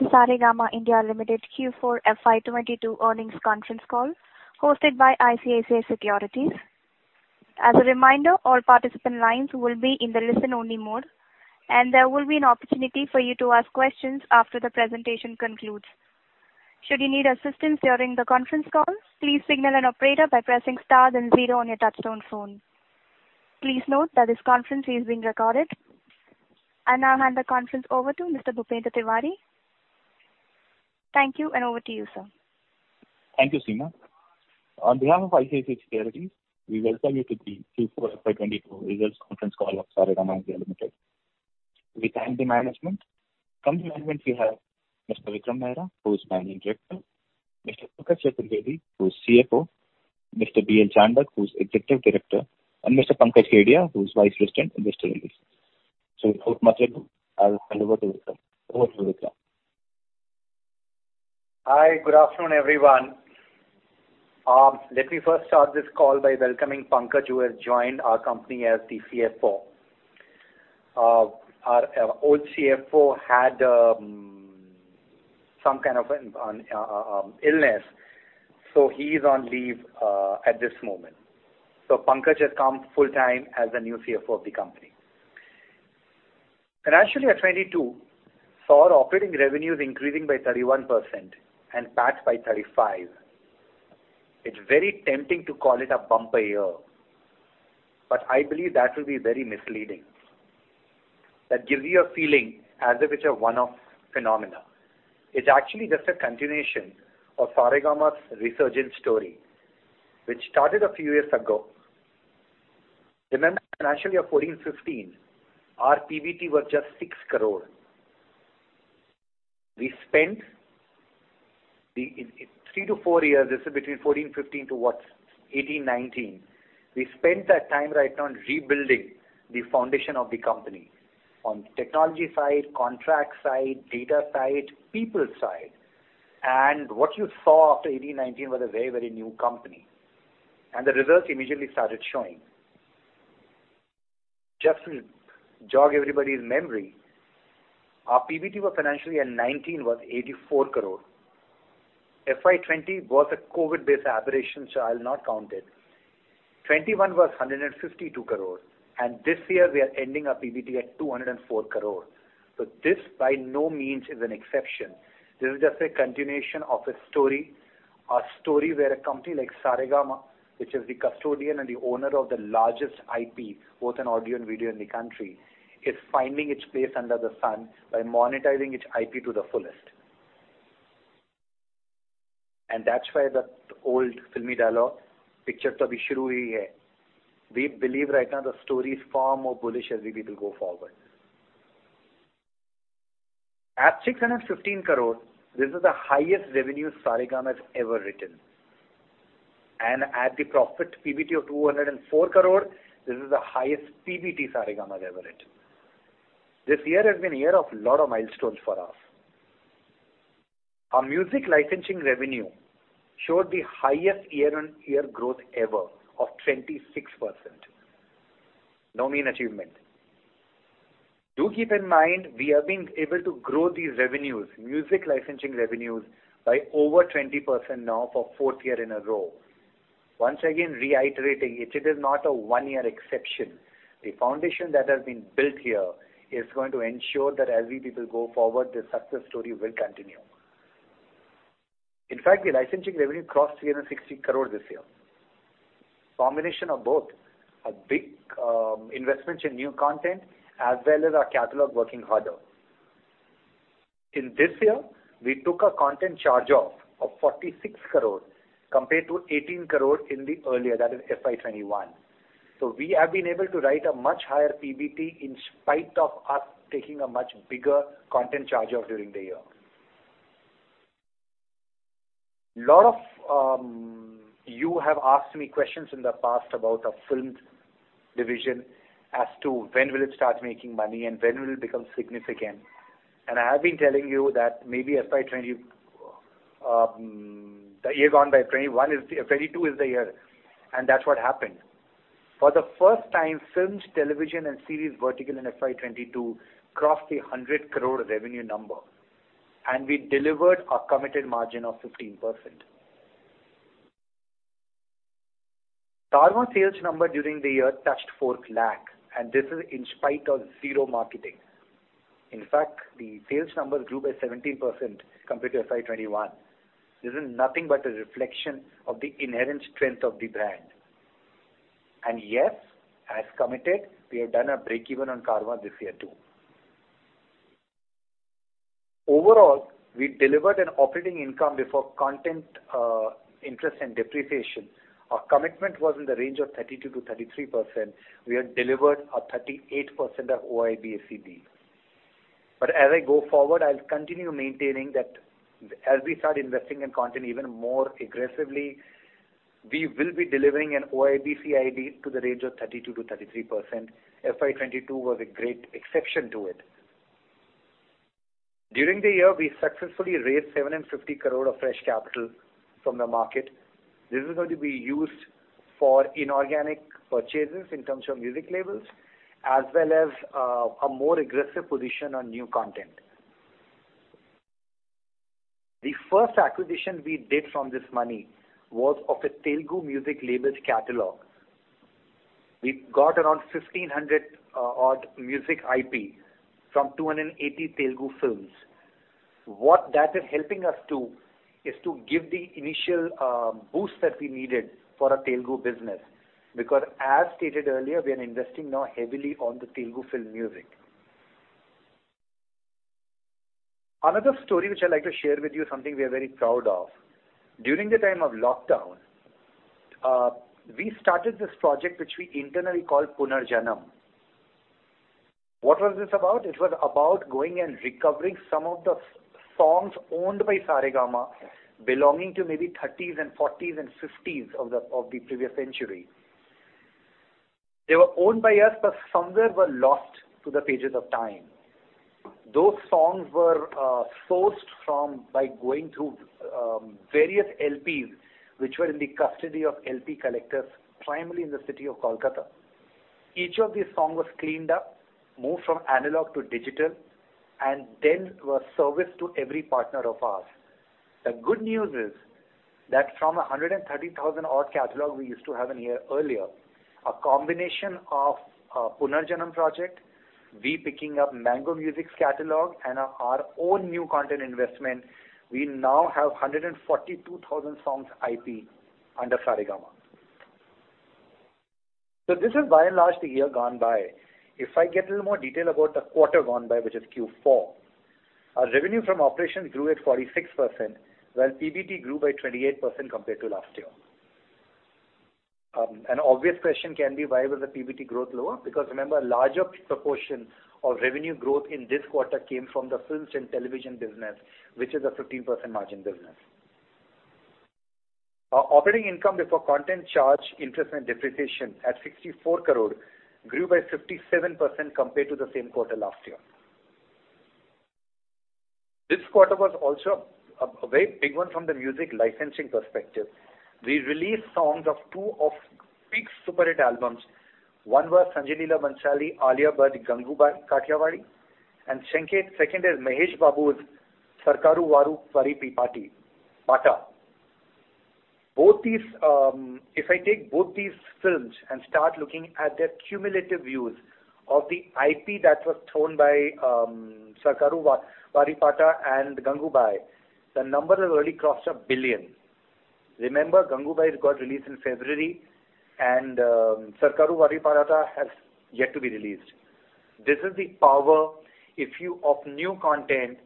Welcome to the Saregama India Limited Q4 FY 2022 earnings conference call hosted by ICICI Securities. As a reminder, all participant lines will be in the listen-only mode, and there will be an opportunity for you to ask questions after the presentation concludes. Should you need assistance during the conference call, please signal an operator by pressing star then zero on your touchtone phone. Please note that this conference is being recorded. I now hand the conference over to Mr. Bhupendra Tiwary. Thank you, and over to you, sir. Thank you, Seema. On behalf of ICICI Securities, we welcome you to the Q4 FY 2022 results conference call of Saregama India Limited. We thank the management. From the management we have Mr. Vikram Mehra, who's Managing Director, Mr. Pankaj Chaturvedi, who's CFO, Mr. B.L. Chandak, who's Executive Director, and Mr. Pankaj Kedia, who's Vice President, Investor Relations. Without much ado, I'll hand over to Vikram. Over to you, Vikram. Hi, good afternoon, everyone. Let me first start this call by welcoming Pankaj, who has joined our company as the CFO. Our old CFO had some kind of an illness, so he's on leave at this moment. Pankaj has come full-time as the new CFO of the company. Financial year 2022 saw our operating revenues increasing by 31% and PAT by 35%. It's very tempting to call it a bumper year, but I believe that will be very misleading. That gives you a feeling as if it's a one-off phenomenon. It's actually just a continuation of Sa Re Ga Ma's resurgent story, which started a few years ago. Remember financial year 2014-2015, our PBT was just INR 6 crore. In three to four years, this is between 2014-2015 to what? 2018-2019, we spent that time, right, on rebuilding the foundation of the company on technology side, contract side, data side, people side. What you saw after 2018-2019 was a very, very new company, and the results immediately started showing. Just to jog everybody's memory, our PBT for financial year 2019 was 84 crore. FY 2020 was a COVID-based aberration, so I'll not count it. 2021 was 152 crore, and this year we are ending our PBT at 204 crore. This by no means is an exception. This is just a continuation of a story, a story where a company like Saregama, which is the custodian and the owner of the largest IP, both in audio and video in the country, is finding its place under the sun by monetizing its IP to the fullest. That's why the old filmy dialogue, "Picture to abhi shuru hui hai." We believe right now the story is far more bullish as we will go forward. At 615 crore, this is the highest revenue Saregama has ever written. At the profit PBT of 204 crore, this is the highest PBT Saregama has ever written. This year has been a year of lot of milestones for us. Our music licensing revenue showed the highest year-on-year growth ever of 26%. No mean achievement. Do keep in mind we have been able to grow these revenues, music licensing revenues, by over 20% now for fourth year in a row. Once again, reiterating, it is not a one-year exception. The foundation that has been built here is going to ensure that as we will go forward, the success story will continue. In fact, the licensing revenue crossed 360 crore this year. Combination of both a big investment in new content as well as our catalog working harder. In this year, we took a content charge-off of 46 crore compared to 18 crore in the earlier, that is FY 2021. We have been able to write a much higher PBT in spite of us taking a much bigger content charge-off during the year. A lot of you have asked me questions in the past about our films division as to when will it start making money and when will it become significant. I have been telling you that maybe FY 2021, the year gone by, 22 is the year, and that's what happened. For the first time, films, television, and series vertical in FY 2022 crossed 100 crore revenue number, and we delivered our committed margin of 15%. Carvaan sales number during the year touched four lakh, and this is in spite of zero marketing. In fact, the sales numbers grew by 17% compared to FY 2021. This is nothing but a reflection of the inherent strength of the brand. Yes, as committed, we have done a break-even on Carvaan this year too. Overall, we delivered an operating income before content, interest, and depreciation. Our commitment was in the range of 32%-33%. We have delivered a 38% of OIBCID. As I go forward, I'll continue maintaining that as we start investing in content even more aggressively, we will be delivering an OIBCID to the range of 32%-33%. FY 2022 was a great exception to it. During the year, we successfully raised 750 crore of fresh capital from the market. This is going to be used for inorganic purchases in terms of music labels, as well as a more aggressive position on new content. The first acquisition we did from this money was of a Telugu music labels catalog. We've got around 1,500 odd music IP from 280 Telugu films. What that is helping us to is to give the initial boost that we needed for our Telugu business, because as stated earlier, we are investing now heavily on the Telugu film music. Another story which I'd like to share with you, something we are very proud of. During the time of lockdown, we started this project, which we internally call Punarjanam. What was this about? It was about going and recovering some of the songs owned by Saregama belonging to maybe thirties and forties and fifties of the previous century. They were owned by us, but somewhere were lost to the pages of time. Those songs were sourced from by going through various LPs, which were in the custody of LP collectors, primarily in the city of Kolkata. Each of these songs was cleaned up, moved from analog to digital, and then was serviced to every partner of ours. The good news is that from a 130,000-odd catalog we used to have in here earlier, a combination of Punarjanam project, us picking up Mango Music's catalog and our own new content investment, we now have 142,000 songs IP under Saregama. This is by and large the year gone by. If I get a little more detail about the quarter gone by which is Q4, our revenue from operations grew at 46%, while PBT grew by 28% compared to last year. An obvious question can be why was the PBT growth lower? Because remember, larger proportion of revenue growth in this quarter came from the films and television business, which is a 15% margin business. Our operating income before content charge, interest and depreciation at 64 crore grew by 57% compared to the same quarter last year. This quarter was also a very big one from the music licensing perspective. We released songs of two big super hit albums. One was Sanjay Leela Bhansali, Alia Bhatt, Gangubai Kathiawadi, and second is Mahesh Babu's Sarkaru Vaari Paata. Both these. If I take both these films and start looking at their cumulative views of the IP that was from Sarkaru Vaari Paata and Gangubai, the number has already crossed 1 billion. Remember, Gangubai's got released in February, and Sarkaru Vaari Paata has yet to be released. This is the power of new content,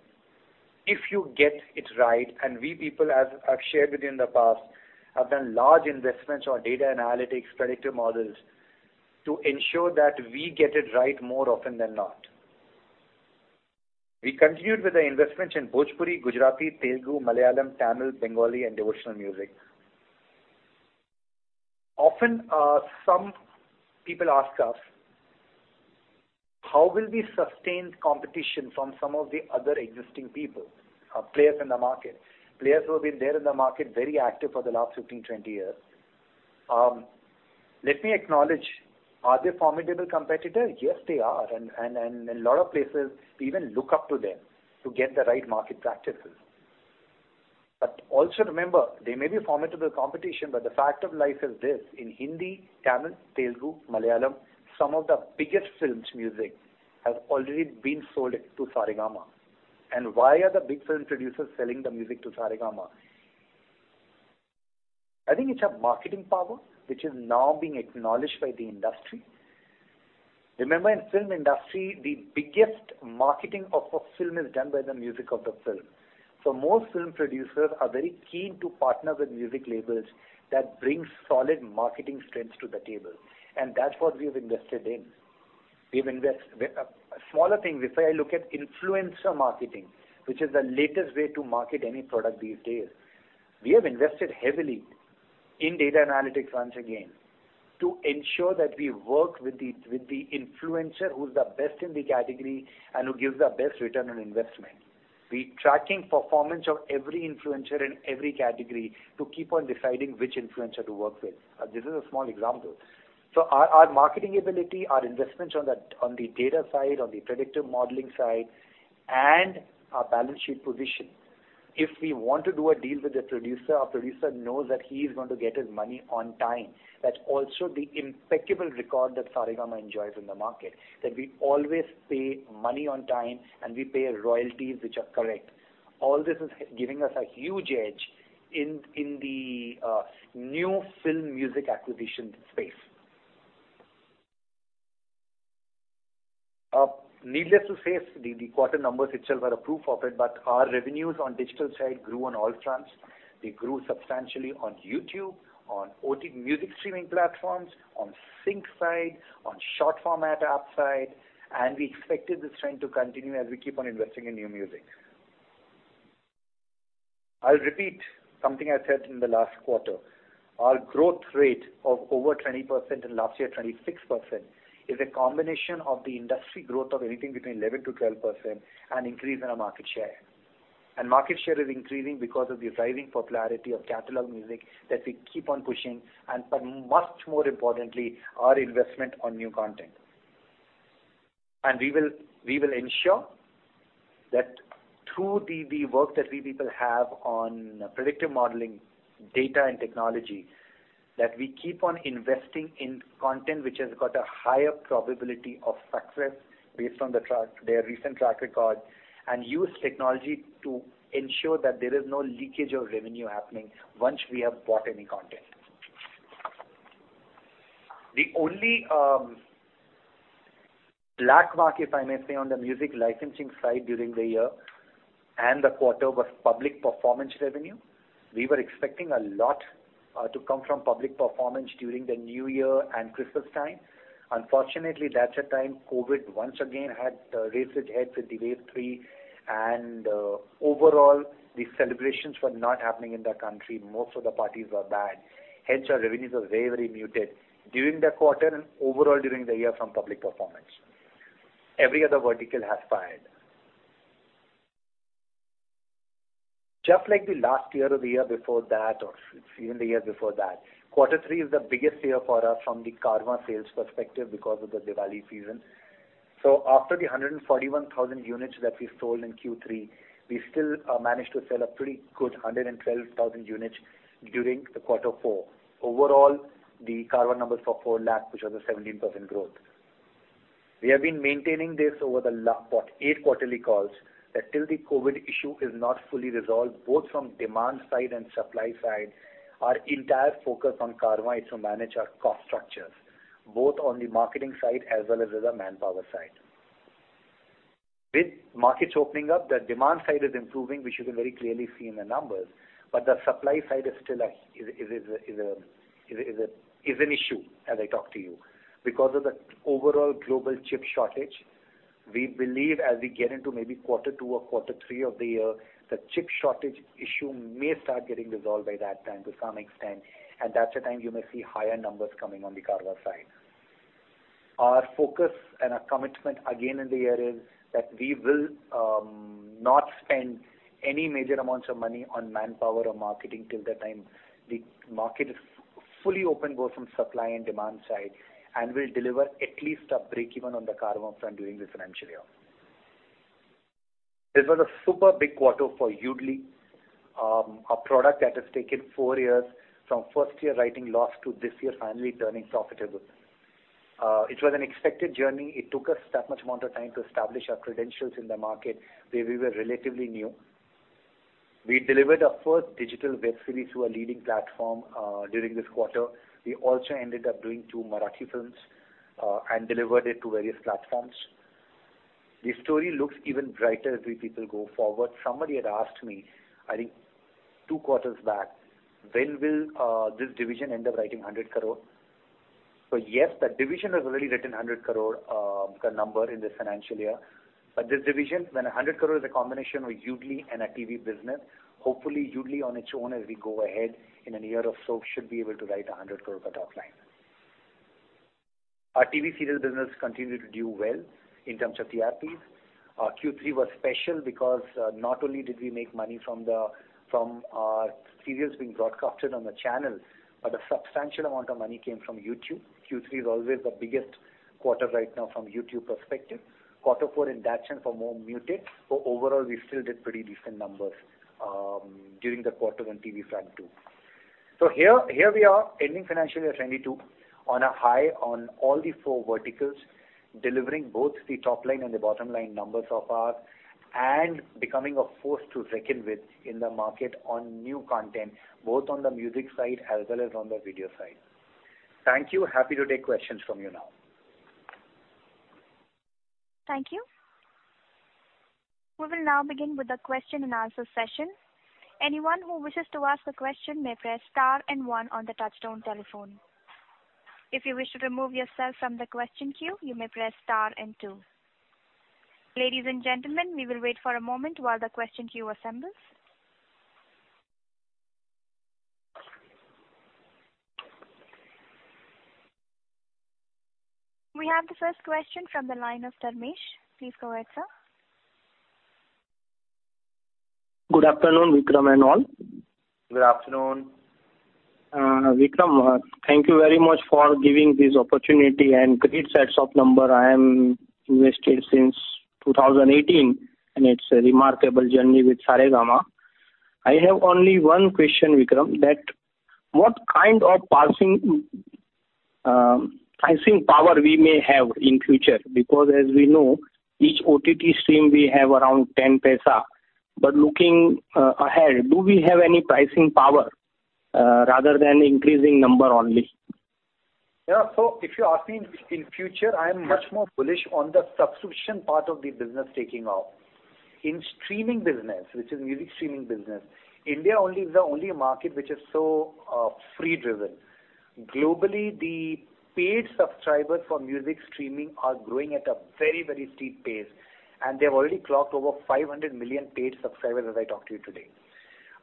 if you get it right, and we people as I've shared with you in the past have done large investments on data analytics, predictive models to ensure that we get it right more often than not. We continued with the investments in Bhojpuri, Gujarati, Telugu, Malayalam, Tamil, Bengali, and devotional music. Often, some people ask us, how will we sustain competition from some of the other existing people or players in the market? Players who have been there in the market, very active for the last 15, 20 years. Let me acknowledge, are they formidable competitor? Yes, they are. In a lot of places, we even look up to them to get the right market practices. Also remember, they may be formidable competition, but the fact of life is this, in Hindi, Tamil, Telugu, Malayalam, some of the biggest films music have already been sold to Saregama. Why are the big film producers selling the music to Saregama? I think it's our marketing power, which is now being acknowledged by the industry. Remember, in film industry, the biggest marketing of a film is done by the music of the film. Most film producers are very keen to partner with music labels that brings solid marketing strengths to the table, and that's what we've invested in. A smaller thing, if I look at influencer marketing, which is the latest way to market any product these days, we have invested heavily in data analytics once again to ensure that we work with the influencer who's the best in the category and who gives the best return on investment. We're tracking performance of every influencer in every category to keep on deciding which influencer to work with. This is a small example. Our marketing ability, our investments on the data side, on the predictive modeling side and our balance sheet position. If we want to do a deal with a producer, our producer knows that he is going to get his money on time. That's also the impeccable record that Saregama enjoys in the market, that we always pay money on time and we pay royalties which are correct. All this is giving us a huge edge in the new film music acquisition space. Needless to say, the quarter numbers itself are a proof of it, but our revenues on digital side grew on all fronts. They grew substantially on YouTube, on OTT music streaming platforms, on sync side, on short format app side, and we expected this trend to continue as we keep on investing in new music. I'll repeat something I said in the last quarter. Our growth rate of over 20% and last year 26% is a combination of the industry growth of anything between 11%-12% and increase in our market share. Market share is increasing because of the rising popularity of catalog music that we keep on pushing and but much more importantly, our investment on new content. We will ensure that through the work that we people have on predictive modeling data and technology, that we keep on investing in content which has got a higher probability of success based on the track, their recent track record, and use technology to ensure that there is no leakage of revenue happening once we have bought any content. The only black mark, if I may say, on the music licensing side during the year and the quarter was public performance revenue. We were expecting a lot to come from public performance during the new year and Christmas time. Unfortunately, that's a time COVID once again had raised its head with the wave three and overall, the celebrations were not happening in the country. Most of the parties were banned, hence our revenues were very muted during the quarter and overall during the year from public performance. Every other vertical has fired. Just like the last year or the year before that, or even the year before that, quarter three is the biggest quarter for us from the Carvaan sales perspective because of the Diwali season. After the 141,000 units that we sold in Q3, we still managed to sell a pretty good 112,000 units during quarter four. Overall, the Carvaan numbers for 4 lakh, which was a 17% growth. We have been maintaining this over the last eight quarterly calls, that till the COVID issue is not fully resolved, both from demand side and supply side, our entire focus on Carvaan is to manage our cost structures, both on the marketing side as well as on the manpower side. With markets opening up, the demand side is improving, which you can very clearly see in the numbers, but the supply side is still an issue as I talk to you. Because of the overall global chip shortage, we believe as we get into maybe quarter two or quarter three of the year, the chip shortage issue may start getting resolved by that time to some extent, and that's the time you may see higher numbers coming on the Carvaan side. Our focus and our commitment again in the year is that we will not spend any major amounts of money on manpower or marketing till the time the market is fully open, both from supply and demand side, and will deliver at least a break-even on the Carvaan front during this financial year. This was a super big quarter for Yoodlee, a product that has taken four years from first year writing loss to this year finally turning profitable. It was an expected journey. It took us that much amount of time to establish our credentials in the market where we were relatively new. We delivered our first digital web series to a leading platform during this quarter. We also ended up doing two Marathi films and delivered it to various platforms. The story looks even brighter as we go forward. Somebody had asked me, I think 2 quarters back, "When will this division end up writing 100 crore?" Yes, that division has already written 100 crore number in this financial year. But this division, when 100 crore is a combination of Yoodlee and our TV business, hopefully Yoodlee on its own as we go ahead in a year or so should be able to write 100 crore of top line. Our TV serial business continued to do well in terms of TRPs. Our Q3 was special because not only did we make money from our series being broadcasted on the channel, but a substantial amount of money came from YouTube. Q3 is always the biggest quarter right now from YouTube perspective. Quarter four in that sense was more muted, but overall, we still did pretty decent numbers during the quarter on TV front too. Here we are ending financial year 2022 on a high on all the four verticals, delivering both the top line and the bottom line numbers of ours and becoming a force to reckon with in the market on new content, both on the music side as well as on the video side. Thank you. Happy to take questions from you now. Thank you. We will now begin with the question and answer session. Anyone who wishes to ask a question may press star and one on the touchtone telephone. If you wish to remove yourself from the question queue, you may press star and two. Ladies and gentlemen, we will wait for a moment while the question queue assembles. We have the first question from the line of Dharmesh. Please go ahead, sir. Good afternoon, Vikram, and all. Good afternoon. Vikram, thank you very much for giving this opportunity and great sets of numbers. I am invested since 2018, and it's a remarkable journey with Saregama. I have only one question, Vikram, that what kind of pricing power we may have in the future? Because as we know, each OTT stream we have around 0.10. Looking ahead, do we have any pricing power rather than increasing numbers only? Yeah. If you ask me, in future I am much more bullish on the subscription part of the business taking off. In streaming business, which is music streaming business, India only is the only market which is so free driven. Globally, the paid subscribers for music streaming are growing at a very, very steep pace, and they have already clocked over 500 million paid subscribers as I talk to you today.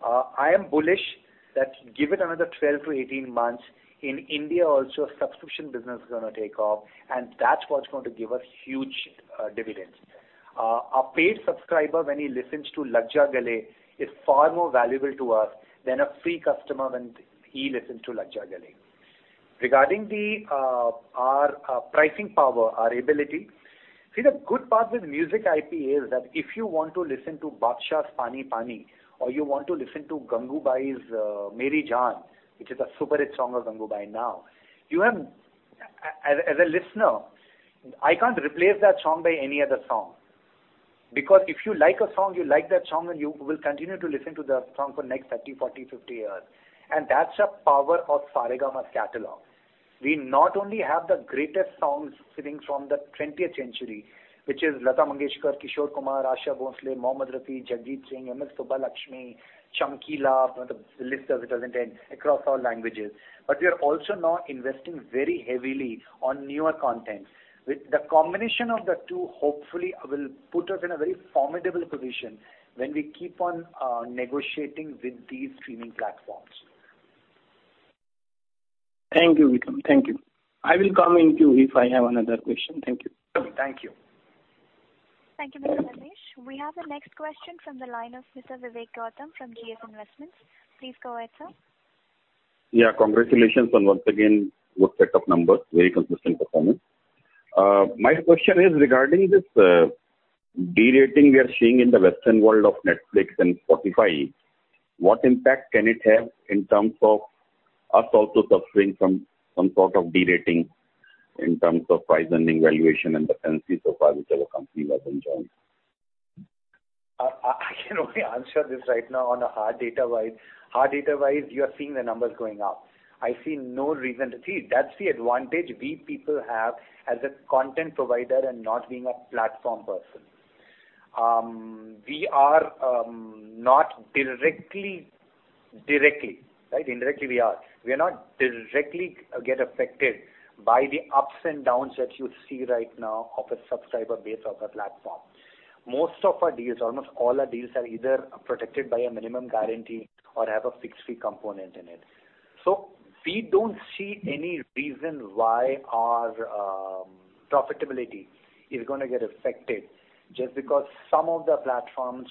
I am bullish that give it another 12-18 months, in India also subscription business is gonna take off, and that's what's going to give us huge dividends. Our paid subscriber when he listens to Lag Ja Gale is far more valuable to us than a free customer when he listens to Lag Ja Gale. Regarding our pricing power, our ability. See, the good part with music IP is that if you want to listen to Badshah's Paani Paani or you want to listen to Gangubai Kathiawadi's Meri Jaan, which is a super hit song of Gangubai Kathiawadi now, as a listener, I can't replace that song by any other song. Because if you like a song, you like that song, and you will continue to listen to that song for next 30, 40, 50 years. And that's the power of Sa Re Ga Ma catalog. We not only have the greatest songs sitting from the twentieth century, which is Lata Mangeshkar, Kishore Kumar, Asha Bhosle, Mohammed Rafi, Jagjit Singh, M. S. Subbulakshmi, Chamkila, you know, the list doesn't end across all languages. We are also now investing very heavily on newer content. With the combination of the two, hopefully, will put us in a very formidable position when we keep on negotiating with these streaming platforms. Thank you, Vikram. Thank you. I will come in queue if I have another question. Thank you. Thank you. Thank you, Mr. Ramesh. We have the next question from the line of Mr. Vivek Gautam from GF Investments. Please go ahead, sir. Yeah, congratulations on once again good set of numbers, very consistent performance. My question is regarding this de-rating we are seeing in the Western world of Netflix and Spotify. What impact can it have in terms of us also suffering some sort of de-rating in terms of price-earnings valuation and the fancy so far which our company was enjoying? I can only answer this right now on a hard data wise. Hard data wise, you are seeing the numbers going up. I see no reason. See, that's the advantage we people have as a content provider and not being a platform person. We are not directly, right? Indirectly we are. We are not directly get affected by the ups and downs that you see right now of a subscriber base of a platform. Most of our deals, almost all our deals are either protected by a minimum guarantee or have a fixed fee component in it. We don't see any reason why our profitability is gonna get affected just because some of the platforms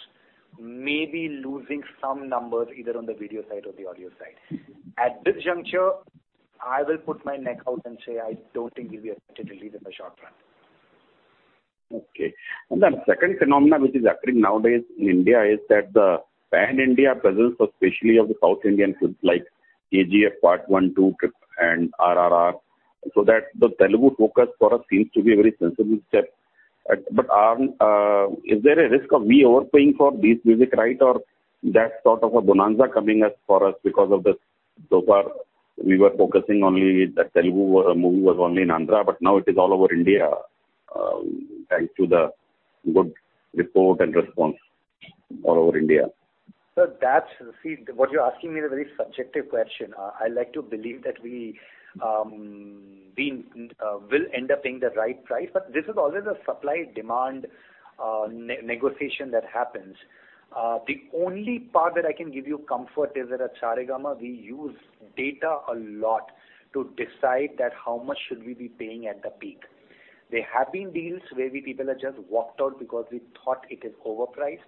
may be losing some numbers either on the video side or the audio side. At this juncture, I will put my neck out and say, I don't think we'll be affected really in the short run. Okay. Second phenomenon which is occurring nowadays in India is the Pan-India presence, especially of the South Indian films like KGF Part One, Two and RRR, so the Telugu focus for us seems to be a very sensible step. Is there a risk of we overpaying for these music rights? Or that sort of a bonanza coming to us because of this? So far we were focusing only the Telugu movie was only in Andhra, but now it is all over India, thanks to the good rapport and response all over India. What you're asking me is a very subjective question. I like to believe that we will end up paying the right price, but this is always a supply-demand negotiation that happens. The only part that I can give you comfort is that at Saregama, we use data a lot to decide that how much should we be paying at the peak. There have been deals where we people have just walked out because we thought it is overpriced.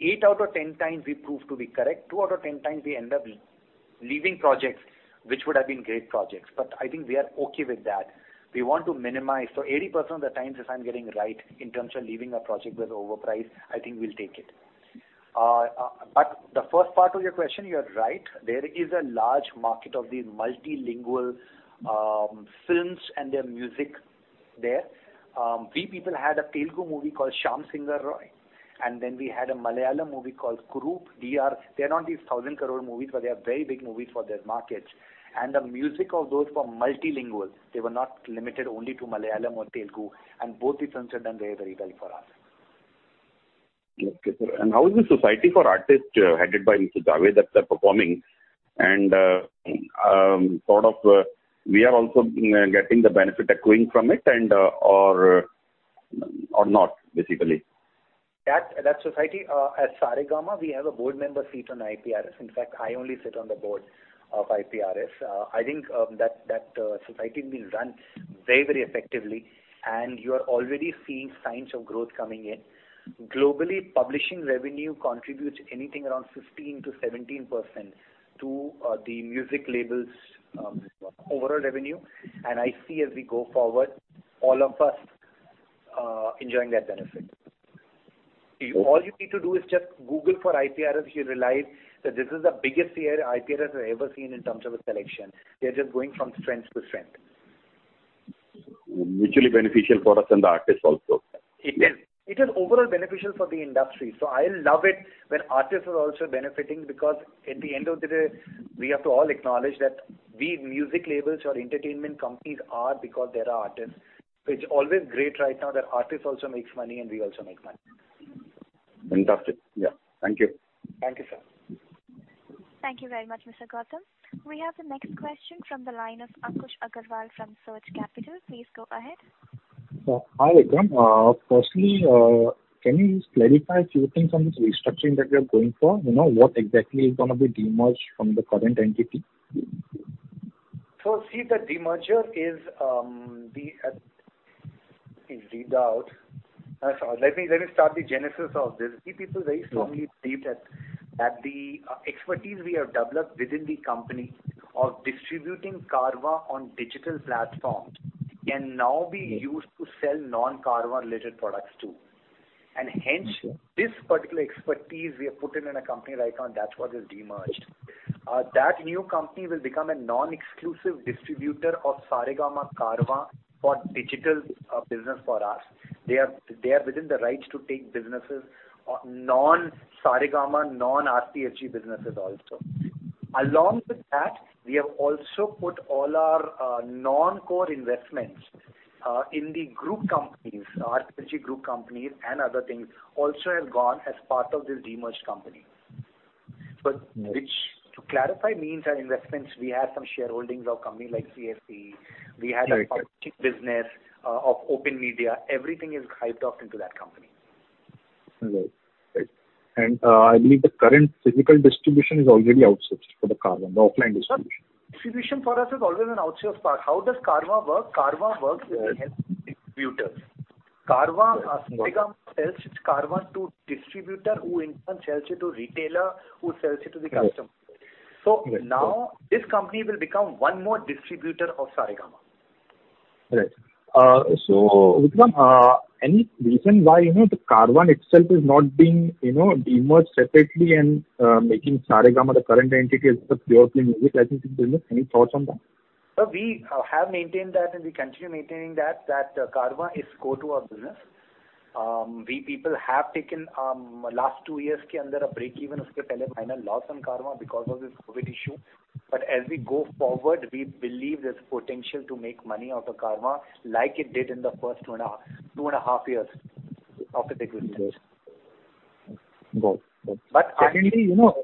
eight out of 10x we prove to be correct. two out of 10x we end up leaving projects which would have been great projects. I think we are okay with that. We want to minimize. 80% of the times if I'm getting right in terms of leaving a project with overpriced, I think we'll take it. But the first part of your question, you are right, there is a large market of these multilingual films and their music there. We people had a Telugu movie called Shyam Singha Roy, and then we had a Malayalam movie called Kurup, they are not these 1,000-crore movies, but they are very big movies for their markets. The music of those were multilingual. They were not limited only to Malayalam or Telugu, and both these tunes have done very, very well for us. Okay, sir. How is the society for artists headed by Mr. Javed Akhtar performing? Sort of, we are also, you know, getting the benefit accruing from it and or not, basically. That society at Saregama, we have a board member seat on IPRS. In fact, I only sit on the board of IPRS. I think that society being run very effectively, and you are already seeing signs of growth coming in. Globally, publishing revenue contributes anything around 15%-17% to the music labels' overall revenue. I see as we go forward, all of us enjoying that benefit. All you need to do is just Google for IPRS, you realize that this is the biggest year IPRS has ever seen in terms of a collection. They're just going from strength to strength. Mutually beneficial for us and the artists also. It is. It is overall beneficial for the industry. I love it when artists are also benefiting because at the end of the day, we have to all acknowledge that we music labels or entertainment companies are because there are artists. It's always great right now that artists also makes money and we also make money. Fantastic. Yeah. Thank you. Thank you, sir. Thank you very much, Mr. Gautam. We have the next question from the line of Ankush Agrawal from Surge Capital. Please go ahead. Hi, Vikram. Firstly, can you clarify a few things on this restructuring that you're going for? You know, what exactly is gonna be demerged from the current entity? Let me start the genesis of this. We people very strongly believe that the expertise we have developed within the company of distributing Carvaan on digital platforms can now be used to sell non-Carvaan related products too. Hence, this particular expertise we have put in a company right now, and that's what is demerged. That new company will become a non-exclusive distributor of Saregama Carvaan for digital business for us. They are within the rights to take businesses, non-Saregama, non-RPSG businesses also. Along with that, we have also put all our non-core investments in the group companies, RPSG group companies and other things also have gone as part of this demerged company. Which to clarify means our investments, we have some shareholdings of company like CESC. Right, right. We have a public business of Open Media. Everything is hyped up into that company. All right. Great. I believe the current physical distribution is already outsourced for the Carvaan, the offline distribution. Sir, distribution for us is always an outsourced part. How does Carvaan work? Carvaan works with the help of distributors. Carvaan, Saregama sells its Carvaan to distributor, who in turn sells it to retailer, who sells it to the customer. Right. Right. Now this company will become one more distributor of Saregama. Right. Vikram, any reason why, you know, the Carvaan itself is not being, you know, demerged separately and making Saregama the current entity just purely music licensing business? Any thoughts on that? No, we have maintained that, and we continue maintaining that Carvaan is core to our business. We have taken last two years financial loss on Carvaan because of this COVID issue. As we go forward, we believe there's potential to make money out of Carvaan like it did in the first two and a half years of its existence. Got it. But I- Secondly, you know. ...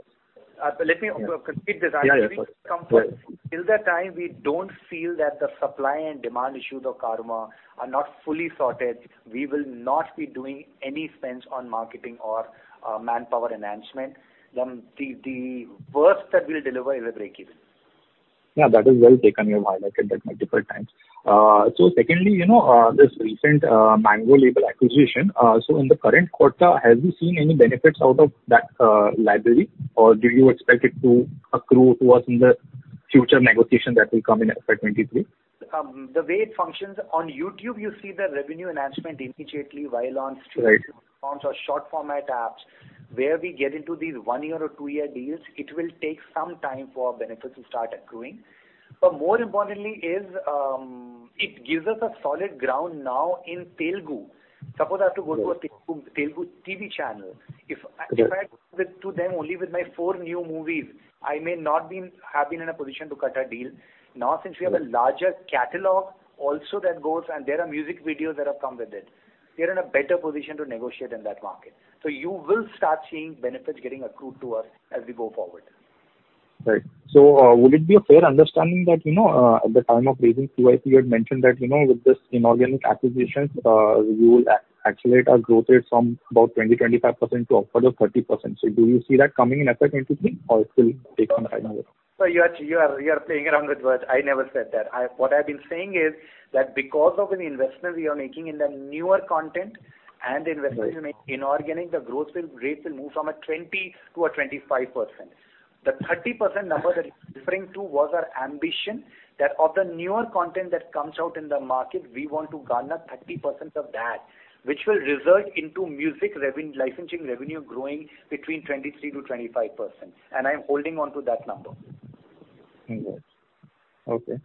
let me complete this answer. Yeah, yeah. Till the time we don't feel that the supply and demand issues of Carvaan are not fully sorted, we will not be doing any spends on marketing or manpower enhancement. The worst that we'll deliver is a break-even. Yeah, that is well taken. You have highlighted that multiple times. Secondly, you know, this recent Mango label acquisition. In the current quarter, have you seen any benefits out of that library? Or do you expect it to accrue to us in the future negotiations that will come in FY 2023? The way it functions on YouTube, you see the revenue enhancement immediately while on streaming. Right. Platforms or short format apps. Where we get into these one-year or two-year deals, it will take some time for benefits to start accruing. More importantly is, it gives us a solid ground now in Telugu. Suppose I have to go to a Telugu TV channel. If I went to them only with my four new movies, I may not have been in a position to cut a deal. Now, since we have a larger catalog also that goes, and there are music videos that have come with it, we are in a better position to negotiate in that market. You will start seeing benefits getting accrued to us as we go forward. Right. Would it be a fair understanding that, you know, at the time of raising QIP, you had mentioned that, you know, with this inorganic acquisitions, you will accelerate our growth rate from about 20%-25% to over 30%. Do you see that coming in FY 2023, or it will take some time more? You are playing around with words. I never said that. What I've been saying is that because of the investments we are making in the newer content and the investments we make inorganic, the growth rate will move from 20%-25%. The 30% number that you're referring to was our ambition, that of the newer content that comes out in the market, we want to garner 30% of that, which will result into music licensing revenue growing between 23%-25%. I'm holding on to that number. Okay.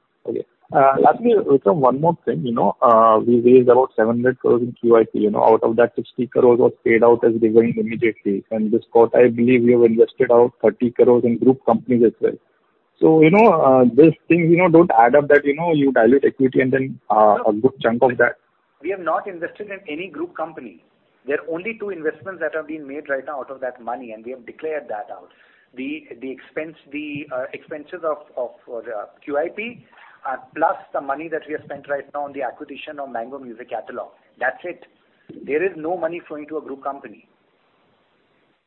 Lastly, Vikram, one more thing, you know, we raised about 700 crore in QIP, you know. Out of that, 60 crore was paid out as dividend immediately. This quarter, I believe we have invested about 30 crore in group companies as well. You know, this thing, you know, don't add up that, you know, you dilute equity and then, a good chunk of that. We have not invested in any group company. There are only two investments that have been made right now out of that money, and we have declared that out. The expenses of QIP plus the money that we have spent right now on the acquisition of Mango Music catalog. That's it. There is no money flowing to a group company.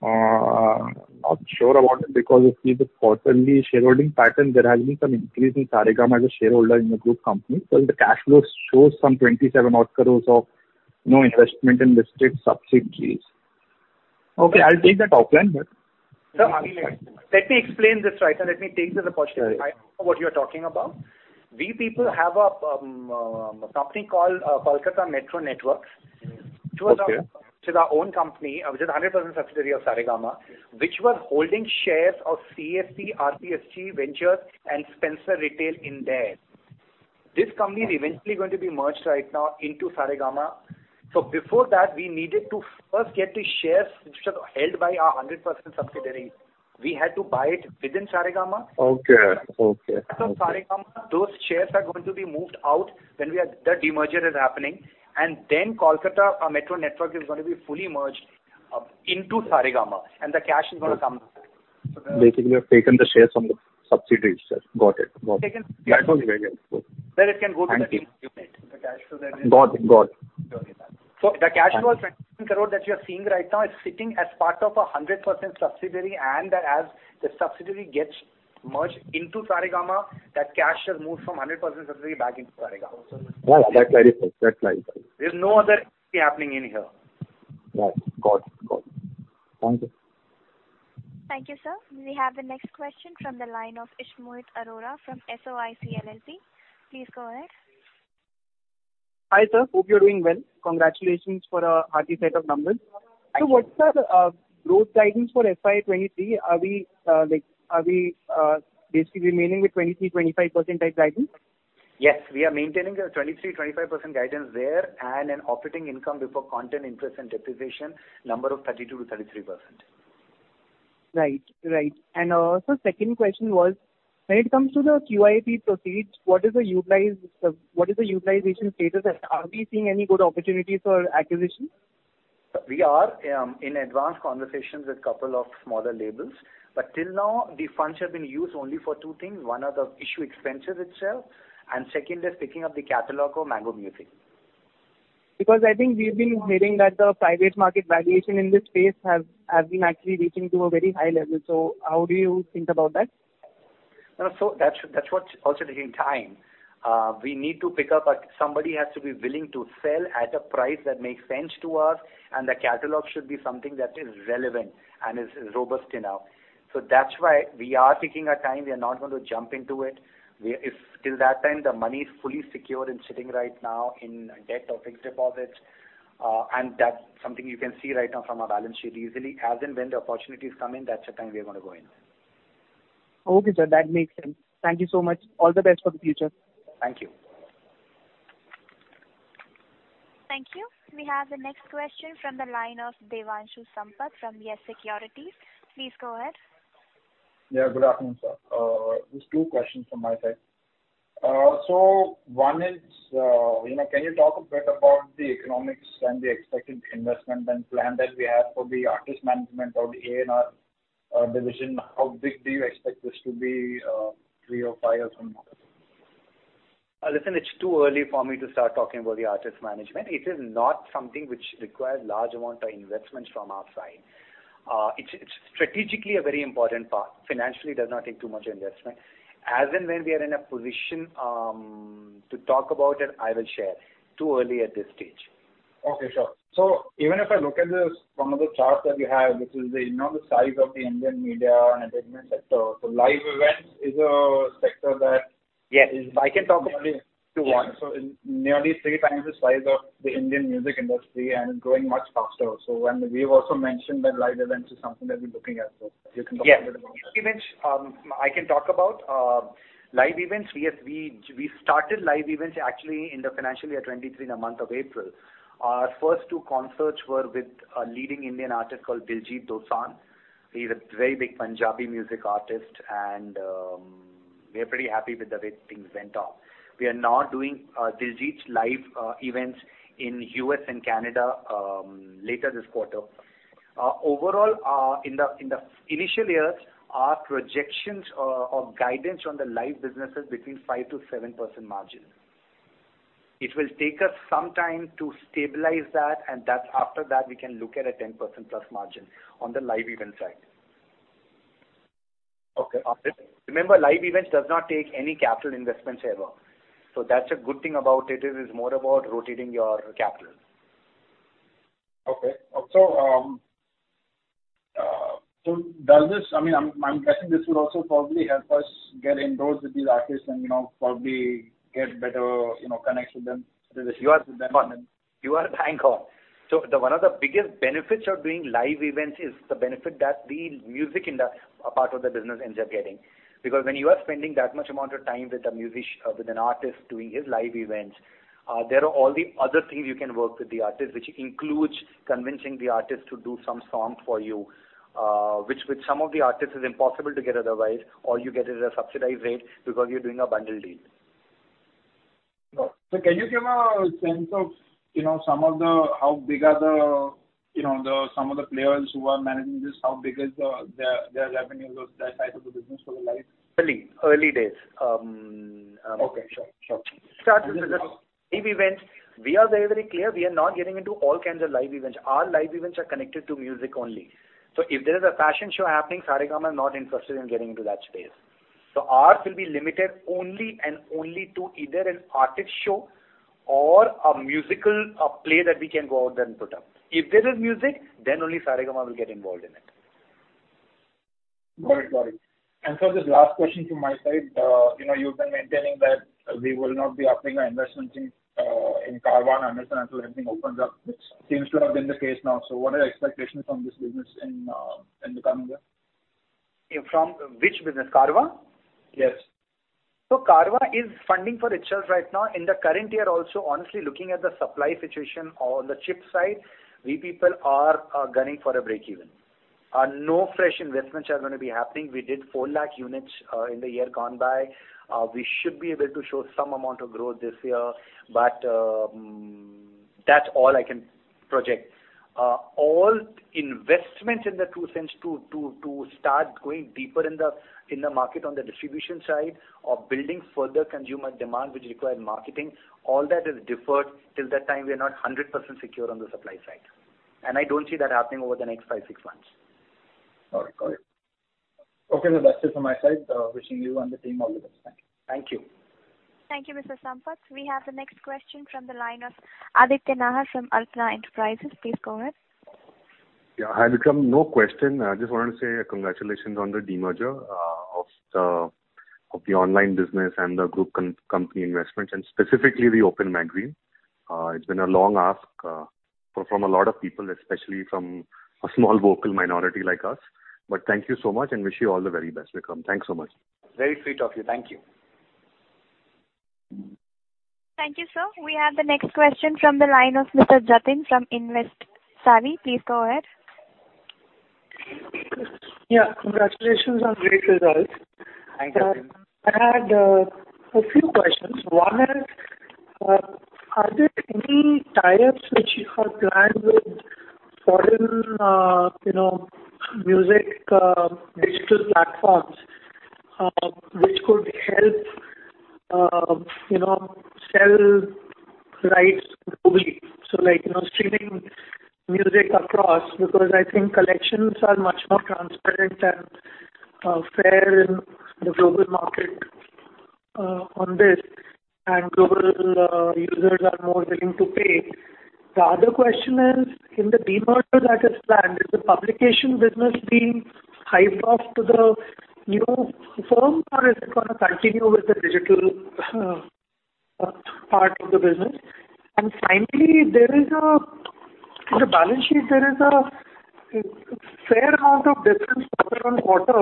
Not sure about it because if we look quarterly shareholding pattern, there has been some increase in Saregama as a shareholder in the group company. The cash flow shows some 27 odd crores of, you know, investment in listed subsidiaries. Okay, I'll take that top line but. Sir, let me explain this right, and let me take this opportunity. Right. I know what you're talking about. We people have a company called Kolkata Metro Networks. Okay. Which is our own company, which is a 100% subsidiary of Saregama, which was holding shares of CESC, RPSG Ventures and Spencer's Retail. This company is eventually going to be merged right now into Saregama. Before that, we needed to first get the shares which are held by our 100% subsidiary. We had to buy it within Saregama. Okay. Okay. Saregama, those shares are going to be moved out when the demerger is happening. Kolkata Metro Networks Limited is gonna be fully merged into Saregama, and the cash is gonna come back. Basically, you have taken the shares from the subsidiaries. Got it. Got it. That was very helpful. It can go to the unit. Thank you. The cash. That is. Got it. Got it. The cash flow of 27 crore that you are seeing right now is sitting as part of a 100% subsidiary, and as the subsidiary gets merged into Saregama, that cash has moved from 100% subsidiary back into Saregama. Yeah, that clarifies. There's no other happening in here. Got it. Thank you. Thank you, sir. We have the next question from the line of Ishmohit Arora from SOIC LLP. Please go ahead. Hi, sir. Hope you're doing well. Congratulations for a hearty set of numbers. Thank you. What's the growth guidance for FY 2023? Are we like basically remaining with 23%-25% type guidance? Yes, we are maintaining the 23%-25% guidance there and an operating income before content charge, interest, and depreciation number of 32%-33%. Right, sir, second question was, when it comes to the QIP proceeds, what is the utilization status? Are we seeing any good opportunities for acquisition? We are in advanced conversations with couple of smaller labels. Till now, the funds have been used only for two things. One are the issue expenses itself, and second is picking up the catalog of Mango Music. Because I think we've been hearing that the private market valuation in this space has been actually reaching to a very high level. How do you think about that? That's what's also taking time. We need to pick up somebody has to be willing to sell at a price that makes sense to us, and the catalog should be something that is relevant and robust enough. That's why we are taking our time. We are not going to jump into it. Till that time, the money is fully secure and sitting right now in debt or fixed deposits, and that's something you can see right now from our balance sheet easily. As and when the opportunities come in, that's the time we are gonna go in. Okay, sir. That makes sense. Thank you so much. All the best for the future. Thank you. Thank you. We have the next question from the line of Devanshu Sampat from YES Securities. Please go ahead. Yeah, good afternoon, sir. Just two questions from my side. One is, you know, can you talk a bit about the economics and the expected investment and plan that we have for the artist management or the A&R division? How big do you expect this to be, three or five years from now? Listen, it's too early for me to start talking about the artist management. It is not something which requires large amount of investments from our side. It's strategically a very important part. Financially, it does not take too much investment. As and when we are in a position to talk about it, I will share. Too early at this stage. Okay, sure. Even if I look at this from the chart that we have, which is the, you know, the size of the Indian media and entertainment sector, so live events is a sector that- Yes.... I can talk about it to one. Nearly three times the size of the Indian music industry and growing much faster also. We've also mentioned that live events is something that we're looking at. You can talk a little bit about that. Yes. Events, I can talk about. Live events, we started actually in the financial year 2023 in the month of April. Our first two concerts were with a leading Indian artist called Diljit Dosanjh. He's a very big Punjabi music artist, and we are pretty happy with the way things went off. We are now doing Diljit's live events in U.S. and Canada later this quarter. Overall, in the initial years, our projections or guidance on the live business is between 5%-7% margin. It will take us some time to stabilize that, and that's after that we can look at a 10%+ margin on the live event side. Okay. Remember, live events do not take any capital investments ever. That's a good thing about it. It is more about rotating your capital. Does this, I mean, I'm guessing this will also probably help us get in doors with these artists and, you know, probably get better, you know, connects with them. You are bang on. One of the biggest benefits of doing live events is the benefit that the music part of the business ends up getting. Because when you are spending that much amount of time with an artist doing his live events, there are all the other things you can work with the artist, which includes convincing the artist to do some song for you, which with some of the artists is impossible to get otherwise, all you get is a subsidized rate because you're doing a bundle deal. Can you give a sense of, you know, some of the players who are managing this, how big is their revenues or that side of the business for the live? Early days. Okay, sure. Sure. Live events, we are very, very clear we are not getting into all kinds of live events. Our live events are connected to music only. If there is a fashion show happening, Saregama is not interested in getting into that space. Ours will be limited only and only to either an artist show or a musical, a play that we can go out there and put up. If there is music, then only Saregama will get involved in it. Got it. This last question from my side. You know, you've been maintaining that we will not be upping our investment in Carvaan and Andher Naal until everything opens up, which seems to have been the case now. What are the expectations from this business in the coming year? From which business? Carvaan? Yes. Carvaan is funding for itself right now. In the current year also, honestly, looking at the supply situation on the chip side, we people are gunning for a breakeven. No fresh investments are gonna be happening. We did four lakh units in the year gone by. We should be able to show some amount of growth this year, but that's all I can project. All investments in the true sense to start going deeper in the market on the distribution side or building further consumer demand which require marketing, all that is deferred till the time we are not 100% secure on the supply side. I don't see that happening over the next five, six months. All right. Got it. Okay then. That's it from my side. Wishing you and the team all the best. Thank you. Thank you. Thank you, Mr. Sampath. We have the next question from the line of Aditya Nahar from Altana Enterprises. Please go ahead. Hi, Vikram. No question. I just wanted to say congratulations on the demerger of the online business and the group company investment, and specifically the Open Magazine. It's been a long ask from a lot of people, especially from a small vocal minority like us. Thank you so much, and wish you all the very best, Vikram. Thanks so much. Very sweet of you. Thank you. Thank you, sir. We have the next question from the line of Mr. Jatin from InvestSari. Please go ahead. Yeah. Congratulations on great results. Hi, Jatin. I had a few questions. One is, are there any tie-ups which you have planned with foreign, you know, music, digital platforms, which could help, you know, sell rights globally? Like, you know, streaming music across, because I think collections are much more transparent and, fair in the global market, on this. Global users are more willing to pay. The other question is, in the demerger that is planned, is the publication business being hived off to the new firm or is it gonna continue with the digital, part of the business? Finally, in the balance sheet, there is a fair amount of difference quarter-on-quarter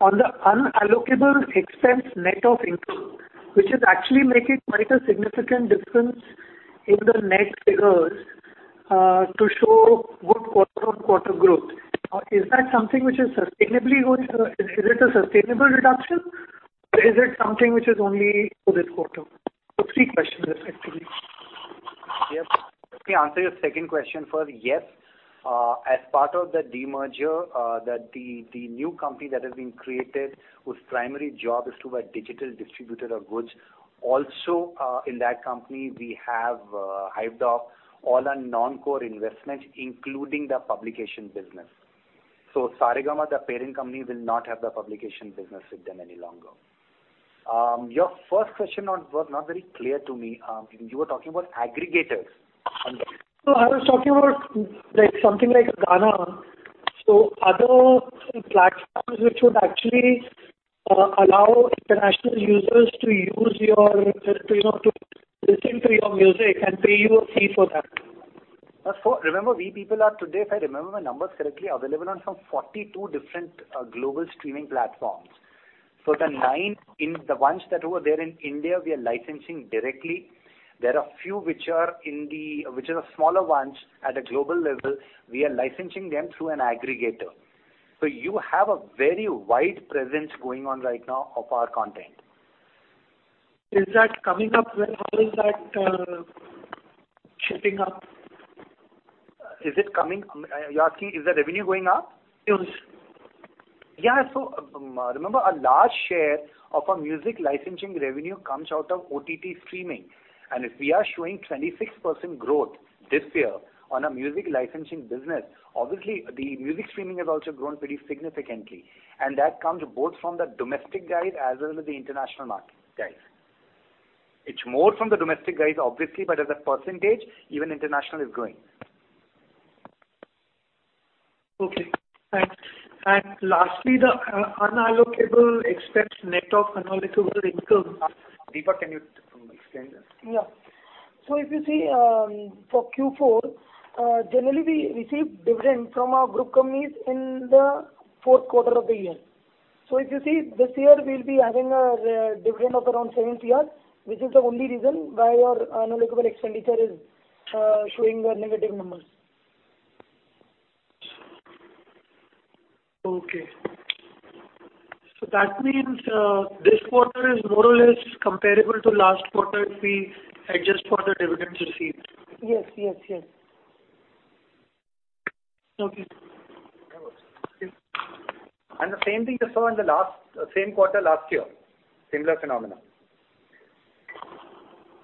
on the unallocable expense net of income, which is actually making quite a significant difference in the net figures, to show good quarter-on-quarter growth. Is it a sustainable reduction or is it something which is only for this quarter? Three questions effectively. Yes. Let me answer your second question first. Yes, as part of the demerger, the new company that has been created, whose primary job is to be a digital distributor of goods, also, in that company, we have hived off all our non-core investments, including the publication business. Saregama, the parent company, will not have the publication business with them any longer. Your first question was not very clear to me. You were talking about aggregators. No, I was talking about like something like Gaana. Other platforms which would actually allow international users to use your, you know, to listen to your music and pay you a fee for that. Remember we are today, if I remember my numbers correctly, available on some 42 different global streaming platforms. The nine in India, the ones that were there in India, we are licensing directly. There are few which are the smaller ones at a global level, we are licensing them through an aggregator. You have a very wide presence going on right now of our content. Is that coming up well? How is that shaping up? You're asking, is the revenue going up? Yes. Remember a large share of our music licensing revenue comes out of OTT streaming. If we are showing 26% growth this year on our music licensing business, obviously the music streaming has also grown pretty significantly. That comes both from the domestic guys as well as the international market guys. It's more from the domestic guys, obviously, but as a percentage, even international is growing. Okay, thanks. Lastly, the unallocable expense net of unallocable income Deepa, can you explain that? If you see, for Q4, generally we receive dividend from our group companies in the fourth quarter of the year. If you see, this year we'll be having a dividend of around 7 crore, which is the only reason why our unallocable expenditure is showing negative numbers. Okay. That means, this quarter is more or less comparable to last quarter if we adjust for the dividends received. Yes. Yes. Yes. Okay. The same thing you saw in the last, same quarter last year. Similar phenomena.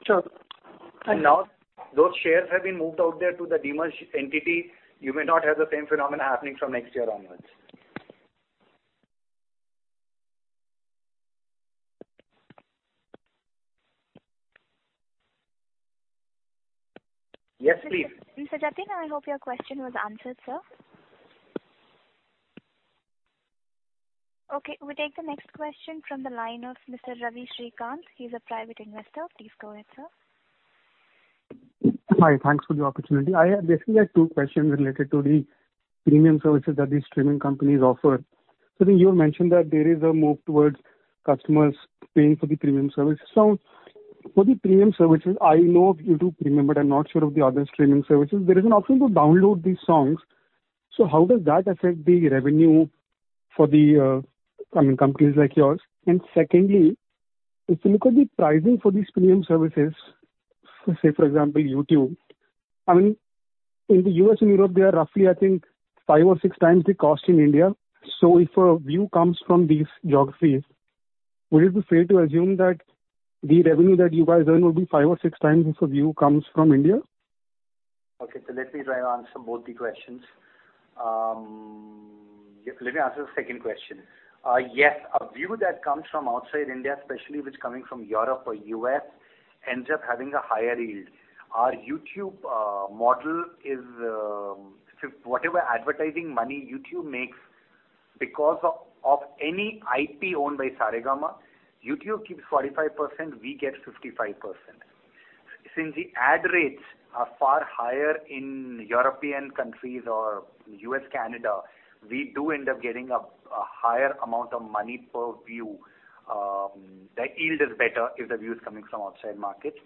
Sure. Thank you. Now those shares have been moved out there to the demerged entity. You may not have the same phenomena happening from next year onwards. Yes, please. Mr. Jatin, I hope your question was answered, sir. Okay, we take the next question from the line of Mr. Ravi Srikant. He's a private investor. Please go ahead, sir. Hi. Thanks for the opportunity. I basically had two questions related to the premium services that these streaming companies offer. You mentioned that there is a move towards customers paying for the premium services. For the premium services, I know of YouTube Premium, but I'm not sure of the other streaming services. There is an option to download these songs. How does that affect the revenue for the, I mean, companies like yours? Secondly, if you look at the pricing for these premium services, say for example, YouTube. I mean, in the U.S. and Europe, they are roughly, I think or six times the cost in India. If a view comes from these geographies, would it be fair to assume that the revenue that you guys earn will be five or six times if a view comes from India? Okay. Let me try to answer both the questions. Let me answer the second question. Yes. A view that comes from outside India, especially if it's coming from Europe or U.S., ends up having a higher yield. Our YouTube model is, so whatever advertising money YouTube makes because of any IP owned by Saregama, YouTube keeps 45%, we get 55%. Since the ad rates are far higher in European countries or U.S., Canada, we do end up getting a higher amount of money per view. The yield is better if the view is coming from outside markets.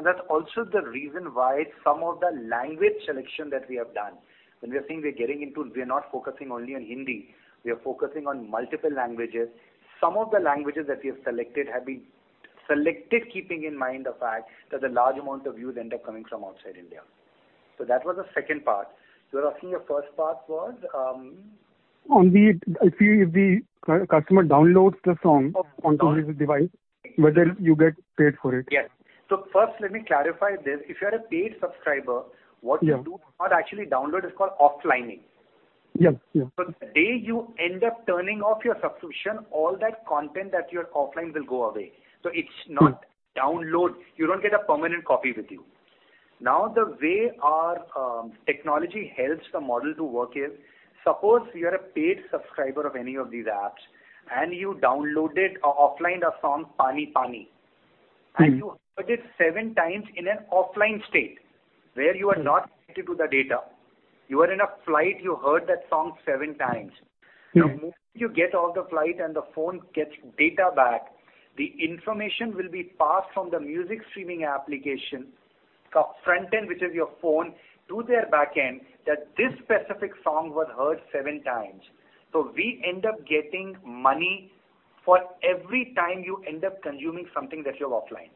That's also the reason why some of the language selection that we have done. We are not focusing only on Hindi, we are focusing on multiple languages. Some of the languages that we have selected keeping in mind the fact that the large amount of views end up coming from outside India. That was the second part. You were asking, your first part was. If the customer downloads the song onto his device, whether you get paid for it. Yes. First, let me clarify this. If you are a paid subscriber- Yeah. What you do not actually download is called offlining. Yeah. Yeah. The day you end up turning off your subscription, all that content that you're offline will go away. It's not download. You don't get a permanent copy with you. Now, the way our technology helps the model to work is, suppose you are a paid subscriber of any of these apps, and you downloaded or offlined a song Paani Paani. Mm-hmm. You heard it seven times in an offline state where you are not connected to the data. You are on a flight, you heard that song seven times. Yeah. The moment you get off the flight and the phone gets data back, the information will be passed from the music streaming application front end, which is your phone, to their back end, that this specific song was heard seven times. We end up getting money for every time you end up consuming something that you're offline.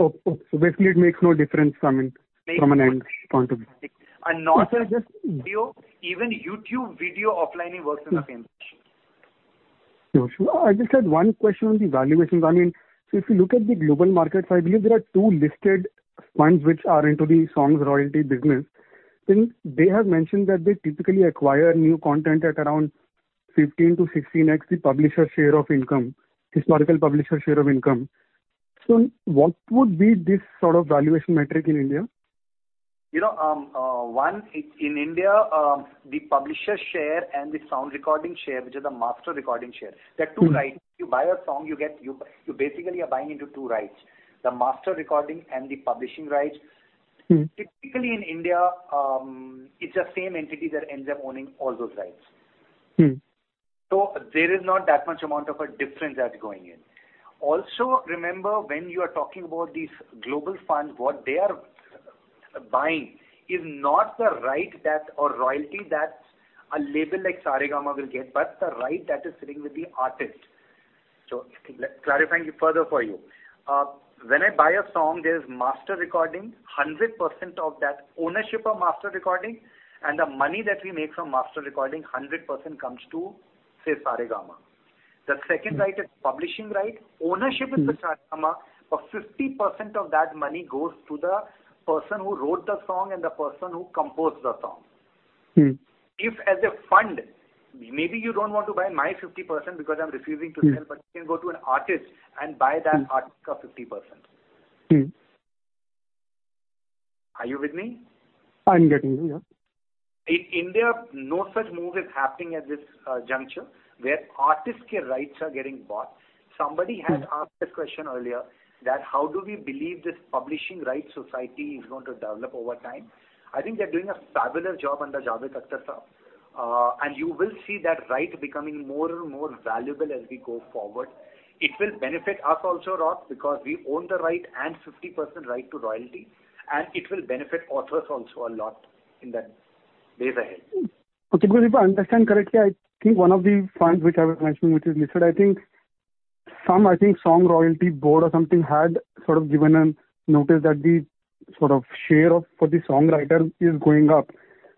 Okay. Basically it makes no difference from an endpoint of view. Not just audio, even YouTube video offlining works in the same fashion. Sure, sure. I just had one question on the valuations. I mean, if you look at the global markets, I believe there are two listed funds which are into the songs royalty business, then they have mentioned that they typically acquire new content at around 15-16x, the publisher share of income, historical publisher share of income. What would be this sort of valuation metric in India? You know, one in India, the publisher share and the sound recording share, which is a master recording share. They are two rights. You buy a song, you basically are buying into two rights, the master recording and the publishing rights. Mm-hmm. Typically in India, it's the same entity that ends up owning all those rights. Mm-hmm. There is not that much amount of a difference that's going in. Also, remember, when you are talking about these global funds, what they are buying is not the royalty that a label like Saregama will get, but the right that is sitting with the artist. Let's clarify it further for you. When I buy a song, there's master recording. 100% of that ownership of master recording and the money that we make from master recording, 100% comes to, say, Saregama. The second right is publishing right. Ownership is with Saregama, but 50% of that money goes to the person who wrote the song and the person who composed the song. Mm-hmm. If as a fund, maybe you don't want to buy my 50% because I'm refusing to sell. Mm-hmm. you can go to an artist and buy that artist's 50%. Mm-hmm. Are you with me? I'm getting you. Yeah. In India, no such move is happening at this juncture where artists rights are getting bought. Somebody had asked this question earlier, that how do we believe this publishing rights society is going to develop over time? I think they're doing a fabulous job under Javed Akhtar sir. You will see that right becoming more and more valuable as we go forward. It will benefit us also, Ross, because we own the right and 50% right to royalty, and it will benefit authors also a lot in the days ahead. Because if I understand correctly, I think one of the funds which I was mentioning, which is listed, I think some, I think Copyright Royalty Board or something had sort of given a notice that the sort of share of, for the songwriter is going up.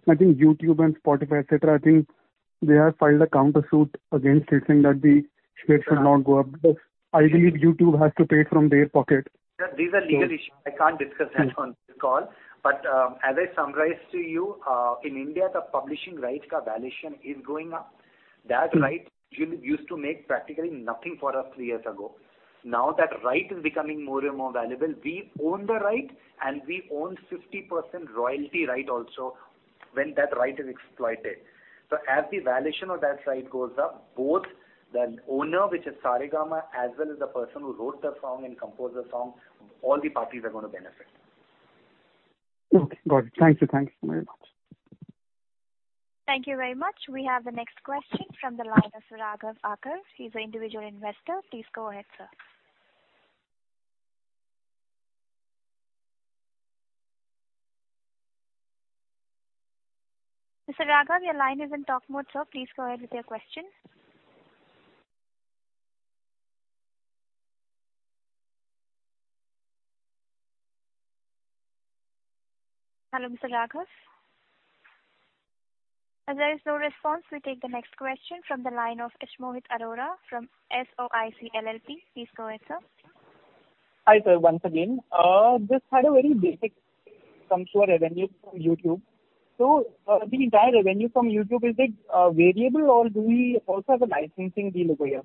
I think YouTube and Spotify, et cetera, I think they have filed a counter suit against it, saying that the share should not go up because I believe YouTube has to pay from their pocket. Yeah, these are legal issues. I can't discuss that on this call. As I summarized to you, in India, the publishing rights valuation is going up. That right used to make practically nothing for us three years ago. Now that right is becoming more and more valuable. We own the right and we own 50% royalty right also when that right is exploited. As the valuation of that right goes up, both the owner, which is Saregama, as well as the person who wrote the song and composed the song, all the parties are gonna benefit. Okay. Got it. Thank you. Thanks very much. Thank you very much. We have the next question from the line of Raghav Kumar. He's an individual investor. Please go ahead, sir. Mr. Raghav, your line is in talk mode, sir. Please go ahead with your question. Hello, Mr. Raghav? As there is no response, we take the next question from the line of Ishmohit Arora from SOIC LLP. Please go ahead, sir. Hi, sir. Once again, just a very basic question on your revenue from YouTube. The entire revenue from YouTube, is it variable or do we also have a licensing deal over here?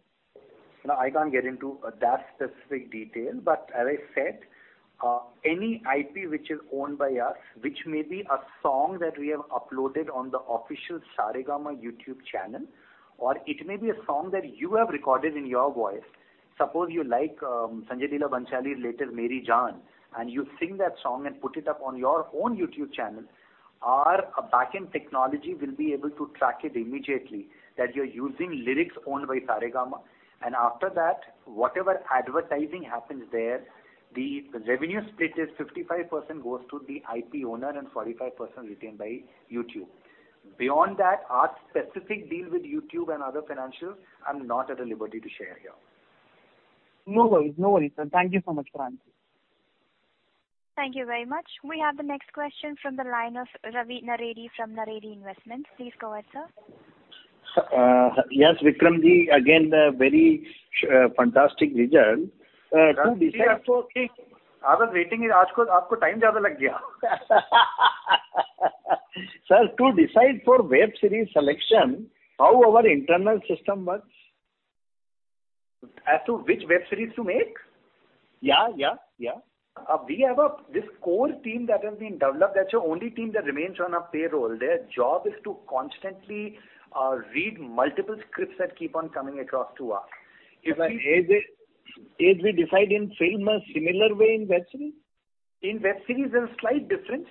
No, I can't get into that specific detail. As I said, any IP which is owned by us, which may be a song that we have uploaded on the official Saregama YouTube channel, or it may be a song that you have recorded in your voice. Suppose you like Sanjay Leela Bhansali's latest Meri Jaan, and you sing that song and put it up on your own YouTube channel, our backend technology will be able to track it immediately that you're using lyrics owned by Saregama. After that, whatever advertising happens there, the revenue split is 55% goes to the IP owner and 45% retained by YouTube. Beyond that, our specific deal with YouTube and other financials, I'm not at liberty to share here. No worries. No worries, sir. Thank you so much for answering. Thank you very much. We have the next question from the line of Ravi Naredi from Naredi Investments. Please go ahead, sir. Yes, Vikramji, again, a very fantastic result. I was waiting. Sir, to decide for web series selection, how our internal system works? As to which web series to make? Yeah, yeah. We have this core team that has been developed, that's the only team that remains on our payroll. Their job is to constantly read multiple scripts that keep on coming across to us. If we decide in film a similar way in web series? In web series, there's a slight difference.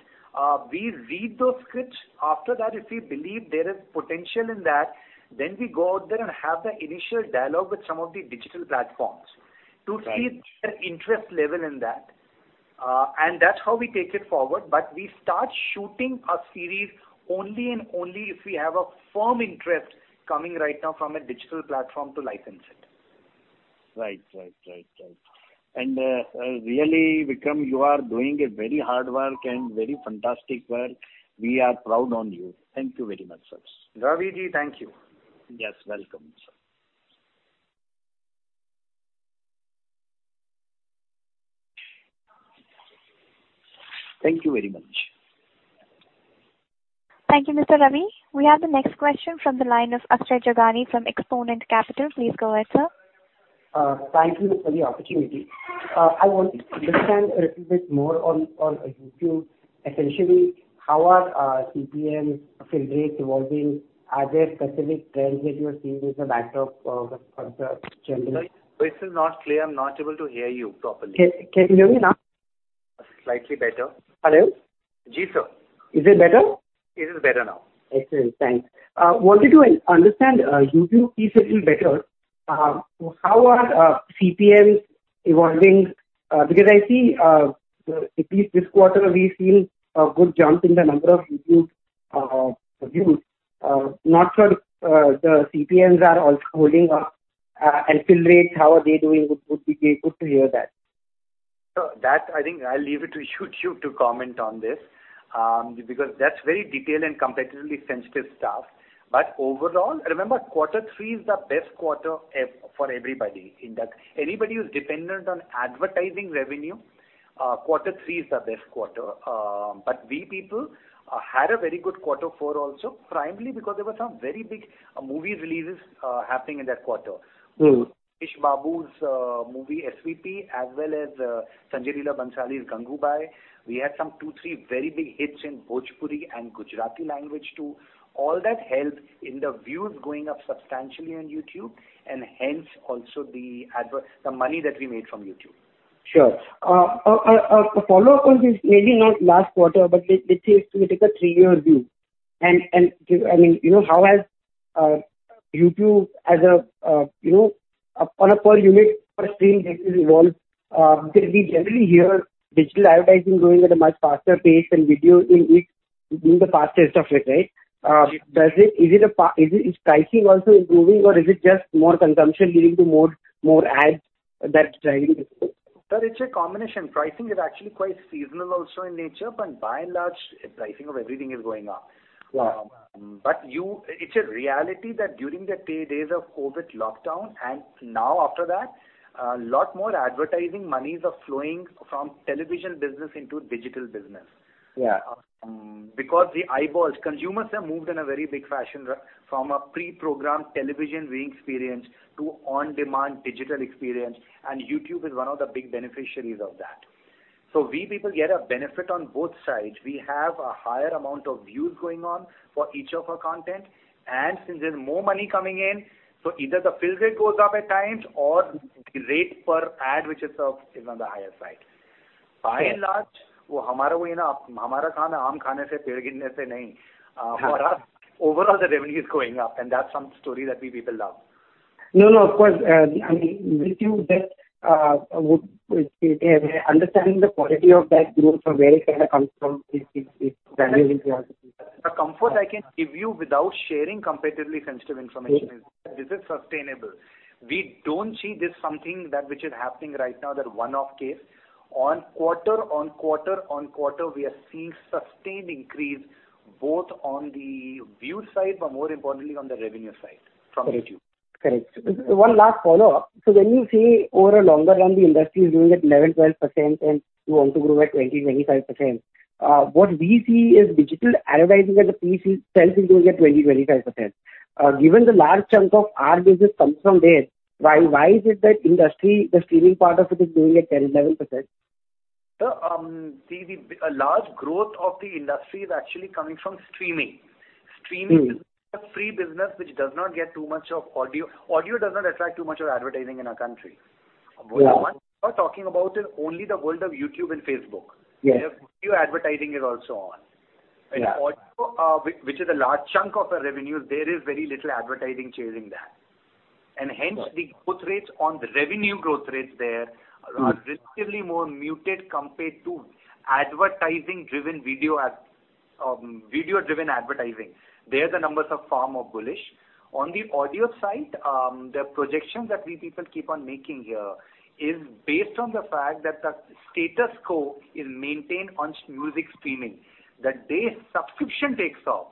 We read those scripts. After that, if we believe there is potential in that, then we go out there and have the initial dialogue with some of the digital platforms- Right.... to see their interest level in that. That's how we take it forward. We start shooting a series only and only if we have a firm interest coming right now from a digital platform to license it. Right. Really, Vikram, you are doing a very hard work and very fantastic work. We are proud on you. Thank you very much, sir. Ravi ji, thank you. Yes, welcome sir. Thank you very much. Thank you, Mr. Ravi. We have the next question from the line of Akshay Joga from Xponent Tribe. Please go ahead, sir. Thank you for the opportunity. I want to understand a little bit more on YouTube. Essentially, how are CPM fill rates evolving? Are there specific trends that you are seeing as a backdrop for the general- Voice is not clear. I'm not able to hear you properly.... can you hear me now? Slightly better. Hello. Ji, sir. Is it better? It is better now. Excellent. Thanks. Wanted to understand YouTube is a little better. How are CPMs evolving? Because I see, at least this quarter, we've seen a good jump in the number of YouTube views. Not sure if the CPMs are also holding up. And fill rates, how are they doing? Would be good to hear that. I think I'll leave it to YouTube to comment on this, because that's very detailed and competitively sensitive stuff. Overall, remember Quarter Three is the best quarter for everybody, anybody who's dependent on advertising revenue. We people had a very good Quarter Four also, primarily because there were some very big movie releases happening in that quarter. Mm. Mahesh Babu's movie SVP as well as Sanjay Leela Bhansali's Gangubai. We had some two, three very big hits in Bhojpuri and Gujarati language too. All that helped in the views going up substantially on YouTube and hence also the money that we made from YouTube. Sure. A follow-up on this, maybe not last quarter, but let's say if we take a three-year view. I mean, you know, how has YouTube as a you know, on a per unit cost stream basis evolved? Because we generally hear digital advertising growing at a much faster pace than video in which in the past history, right? Is pricing also improving or is it just more consumption leading to more ads that's driving this growth? Sir, it's a combination. Pricing is actually quite seasonal also in nature, but by and large pricing of everything is going up. Wow. It's a reality that during the days of COVID lockdown and now after that, a lot more advertising monies are flowing from television business into digital business. Yeah. Because the eyeballs, consumers have moved in a very big fashion from a pre-programmed television viewing experience to on-demand digital experience, and YouTube is one of the big beneficiaries of that. We people get a benefit on both sides. We have a higher amount of views going on for each of our content. Since there's more money coming in, so either the fill rate goes up at times or the rate per ad, which is on the higher side. Yes. By and large, No, no, of course. I mean, understanding the quality of that group or where it kinda comes from, it's valuable if you have to. The comfort I can give you without sharing competitively sensitive information is this is sustainable. We don't see this something that which is happening right now that one-off case. Quarter-on-quarter, we are seeing sustained increase both on the view side, but more importantly on the revenue side from YouTube. Correct. One last follow-up. When you say over a longer run the industry is growing at 11%-12%, and you want to grow at 20%-25%, what we see is digital advertising as a piece itself is growing at 20%-25%. Given the large chunk of our business comes from there, why is it that industry, the streaming part of it is growing at 10%-11%? A large growth of the industry is actually coming from streaming. Mm-hmm. Streaming is a free business which does not get too much of audio. Audio does not attract too much of advertising in our country. Yeah. What we are talking about is only the world of YouTube and Facebook. Yes. Video advertising is also on. Yeah. Audio, which is a large chunk of the revenues, there is very little advertising sharing that. Hence- Right.... the revenue growth rates there. Mm-hmm. Are relatively more muted compared to advertising-driven video ad, video-driven advertising. There the numbers are far more bullish. On the audio side, the projection that we people keep on making here is based on the fact that the status quo is maintained on music streaming. The day subscription takes off,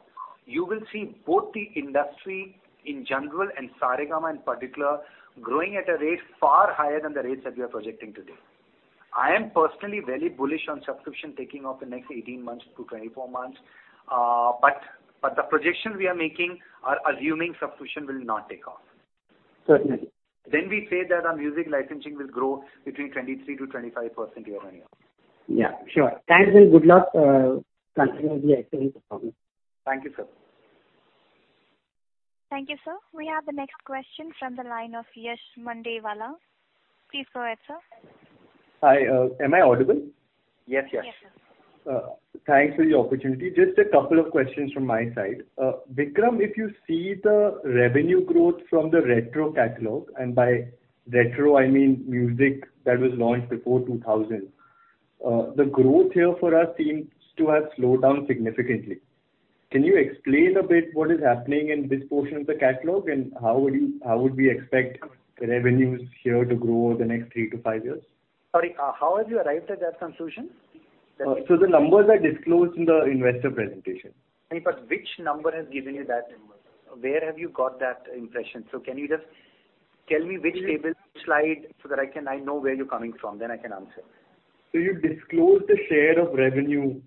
you will see both the industry in general and Saregama in particular growing at a rate far higher than the rates that we are projecting today. I am personally very bullish on subscription taking off the next 18 months to 24 months. But the projections we are making are assuming subscription will not take off. Certainly. We say that our music licensing will grow between 23%-25% year-on-year. Yeah, sure. Thanks and good luck, continuing the excellent performance. Thank you, sir. Thank you, sir. We have the next question from the line of Yash Mandewala. Please go ahead, sir. Hi, am I audible? Yes, Yash. Yes, sir. Thanks for the opportunity. Just a couple of questions from my side. Vikram, if you see the revenue growth from the retro catalog, and by retro I mean music that was launched before 2000, the growth here for us seems to have slowed down significantly. Can you explain a bit what is happening in this portion of the catalog, and how would we expect revenues here to grow over the next three to five years? Sorry, how have you arrived at that conclusion? The numbers are disclosed in the investor presentation. I mean, but which number has given you that? Where have you got that impression? Can you just tell me which table, slide, so that I can, I know where you're coming from, then I can answer. You disclose the share of revenue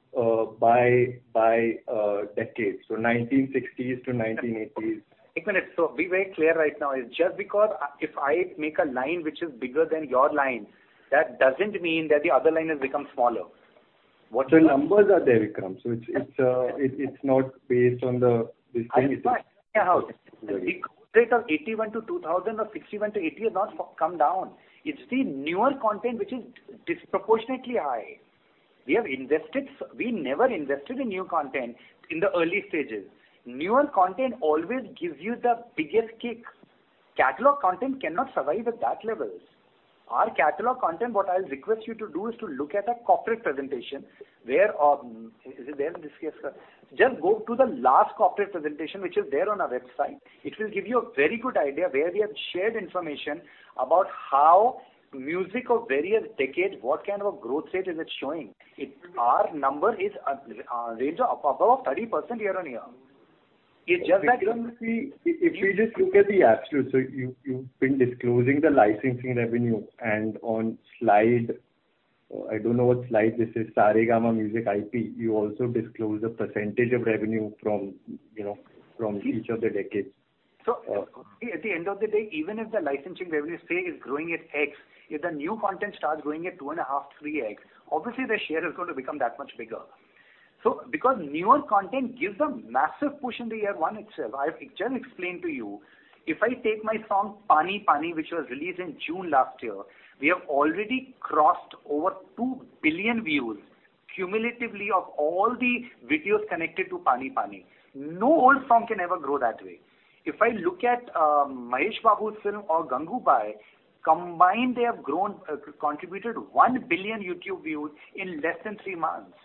by decades, 1960s-1980s. One minute. Be very clear right now. Just because, if I make a line which is bigger than your line, that doesn't mean that the other line has become smaller. What you are The numbers are there, Vikram, so it's not based on the distinction. I understand. Hear out. The growth rate of 81%-200% or 61%-80% has not come down. It's the newer content which is disproportionately high. We never invested in new content in the early stages. Newer content always gives you the biggest kick. Catalog content cannot survive at that levels. Our catalog content, what I'll request you to do is to look at a corporate presentation where is it there in this here, sir. Just go to the last corporate presentation, which is there on our website. It will give you a very good idea where we have shared information about how music of various decades, what kind of a growth rate is it showing. Our rates are above 30% year-on-year. It's just that. Vikram, if we just look at the absolute, you've been disclosing the licensing revenue and on slide, I don't know what slide this is, Saregama music IP, you also disclose the percentage of revenue from, you know, from each of the decades. At the end of the day, even if the licensing revenue say is growing at x, if the new content starts growing at 2.5x, 3x, obviously the share is going to become that much bigger. Because newer content gives a massive push in the year one itself. I've just explained to you, if I take my song Paani Paani, which was released in June last year, we have already crossed over 2 billion views cumulatively of all the videos connected to Paani Paani. No old song can ever grow that way. If I look at Mahesh Babu's film or Gangubai, combined they have grown contributed 1 billion YouTube views in less than three months.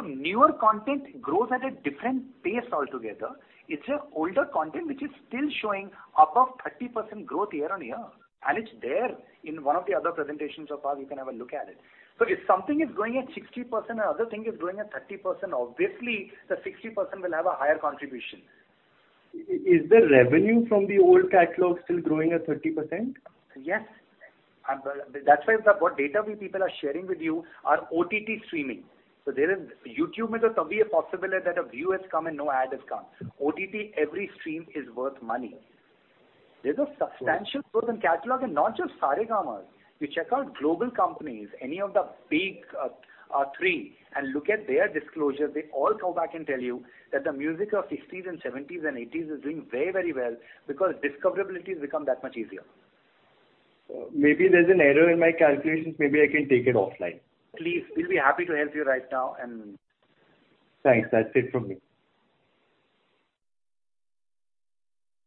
Newer content grows at a different pace altogether. It's the older content which is still showing above 30% growth year-on-year, and it's there in one of the other presentations of ours, you can have a look at it. If something is growing at 60% and other thing is growing at 30%, obviously the 60% will have a higher contribution. Is the revenue from the old catalog still growing at 30%? Yes. That's why the what data we people are sharing with you are OTT streaming. YouTube maybe possibly that a view has come and no ad has come. OTT, every stream is worth money. There's a substantial growth in catalog, and not just Saregama's. You check out global companies, any of the big three, and look at their disclosure. They all come back and tell you that the music of sixties and seventies and eighties is doing very, very well because discoverability has become that much easier. Maybe there's an error in my calculations. Maybe I can take it offline. Please, we'll be happy to help you right now and. Thanks. That's it from me.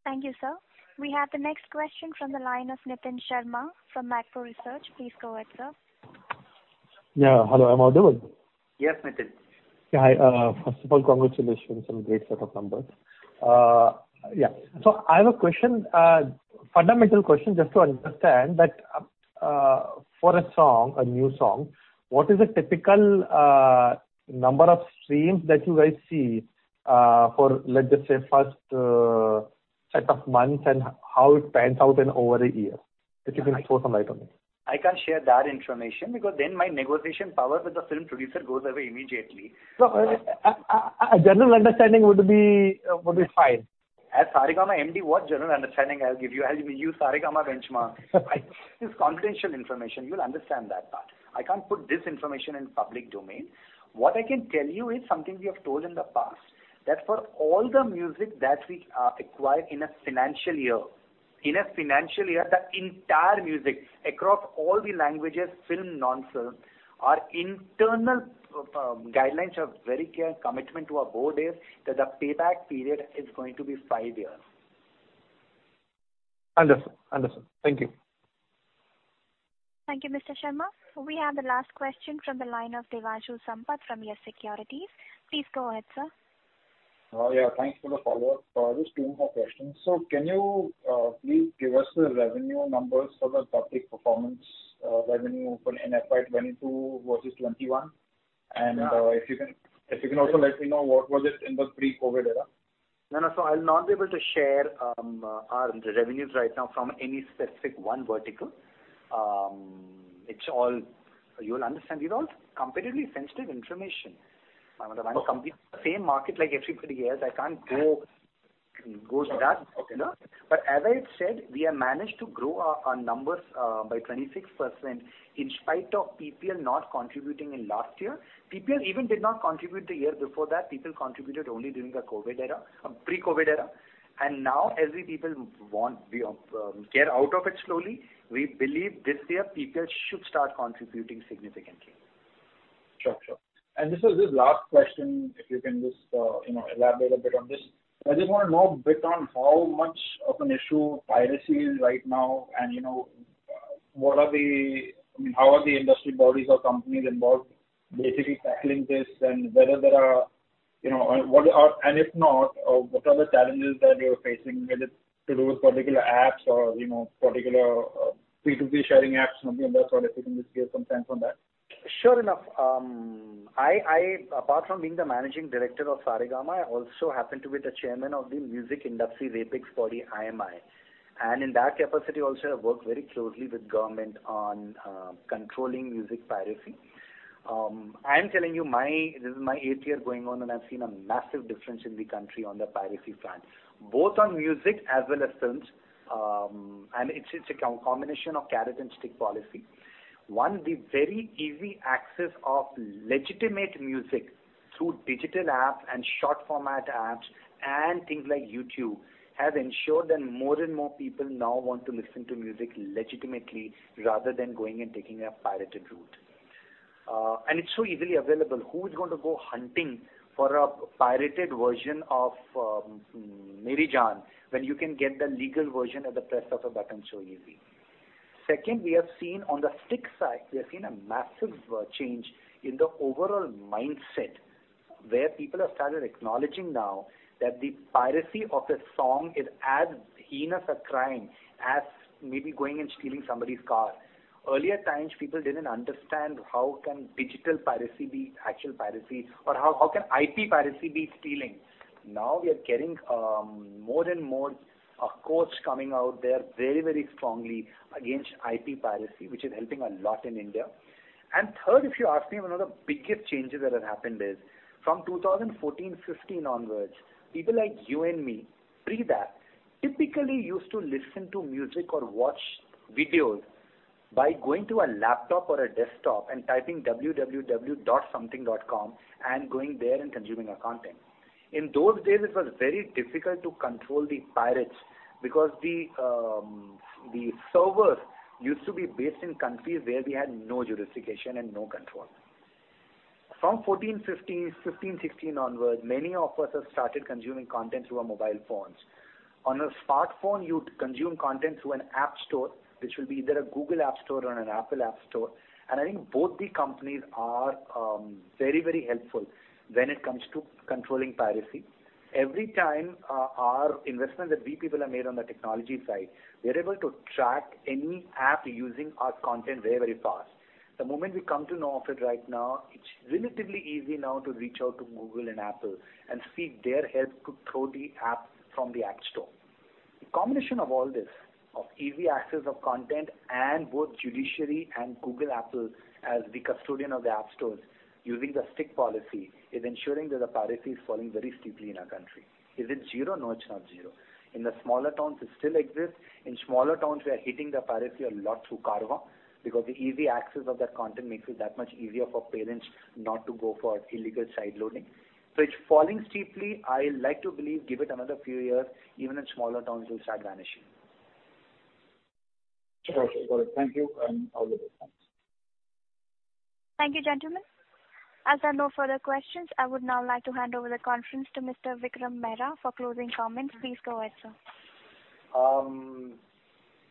Thank you, sir. We have the next question from the line of Nitin Sharma from Macquarie Research. Please go ahead, sir. Yeah. Hello, Amol. Yes, Nitin. Hi. First of all, congratulations on great set of numbers. I have a question, fundamental question just to understand that, for a song, a new song, what is a typical number of streams that you guys see, for, let's just say, first set of months, and how it pans out in over a year? If you can throw some light on it. I can't share that information because then my negotiation power with the film producer goes away immediately. A general understanding would be fine. As Saregama MD, what general understanding I'll give you? I'll give you Saregama benchmark. It's confidential information. You'll understand that part. I can't put this information in public domain. What I can tell you is something we have told in the past, that for all the music that we acquire in a financial year, the entire music across all the languages, film, non-film, our internal guidelines are very clear. Commitment to our board is that the payback period is going to be five years. Understood. Thank you. Thank you, Mr. Sharma. We have the last question from the line of Devanshu Sampat from YES Securities. Please go ahead, sir. Yeah, thanks for the follow-up. Just two more questions. Can you please give us the revenue numbers for the public performance revenue for in FY 2022 versus 2021? Yeah. If you can also let me know what was it in the pre-COVID era? No, no. I'll not be able to share our revenues right now from any specific one vertical. You will understand. These are all competitively sensitive information. Okay. I'm competing in the same market like everybody else. I can't go to that, you know. As I said, we have managed to grow our numbers by 26% in spite of PPL not contributing in last year. PPL even did not contribute the year before that. PPL contributed only during the pre-COVID era. Now as the PPL wants to get out of it slowly, we believe this year PPL should start contributing significantly. Sure. This is just last question, if you can just, you know, elaborate a bit on this. I just wanna know a bit on how much of an issue piracy is right now and, you know, I mean, how are the industry bodies or companies involved basically tackling this and whether there are, you know, and if not, what are the challenges that you're facing, whether to do with particular apps or, you know, particular P2P sharing apps and all the other sort, if you can just give some sense on that. Sure enough. I apart from being the managing director of Saregama, I also happen to be the chairman of the music industry's apex body, IMI, and in that capacity also, I work very closely with government on controlling music piracy. I am telling you my, this is my eighth year going on, and I've seen a massive difference in the country on the piracy front, both on music as well as films. It's a combination of carrot and stick policy. One, the very easy access of legitimate music through digital apps and short format apps and things like YouTube has ensured that more and more people now want to listen to music legitimately rather than going and taking a pirated route. It's so easily available. Who is gonna go hunting for a pirated version of Meri Jaan, when you can get the legal version at the press of a button so easy? Second, we have seen on the supply side a massive change in the overall mindset, where people have started acknowledging now that the piracy of a song is as heinous a crime as maybe going and stealing somebody's car. Earlier times, people didn't understand how can digital piracy be actual piracy or how can IP piracy be stealing. Now we are getting more and more of courts coming out. They're very, very strongly against IP piracy, which is helping a lot in India. Third, if you ask me, one of the biggest changes that have happened is from 2014, 2015 onwards, people like you and me, pre that, typically used to listen to music or watch videos by going to a laptop or a desktop and typing www.something.com and going there and consuming our content. In those days, it was very difficult to control the pirates because the servers used to be based in countries where we had no jurisdiction and no control. From 2014, 2015, 2016 onwards, many of us have started consuming content through our mobile phones. On a smartphone, you'd consume content through an app store, which will be either a Google app store or an Apple app store. I think both the companies are very, very helpful when it comes to controlling piracy. Every time our investments that we people have made on the technology side, we're able to track any app using our content very, very fast. The moment we come to know of it right now, it's relatively easy now to reach out to Google and Apple and seek their help to throw the app from the app store. The combination of all this, of easy access of content and both judiciary and Google, Apple as the custodian of the app stores using the strict policy, is ensuring that the piracy is falling very steeply in our country. Is it zero? No, it's not zero. In the smaller towns, it still exists. In smaller towns, we are hitting the piracy a lot through Carvaan, because the easy access of that content makes it that much easier for parents not to go for illegal side loading. It's falling steeply. I like to believe, give it another few years, even in smaller towns it'll start vanishing. Okay, got it. Thank you, and all the best. Thanks. Thank you, gentlemen. As there are no further questions, I would now like to hand over the conference to Mr. Vikram Mehra for closing comments. Please go ahead, sir.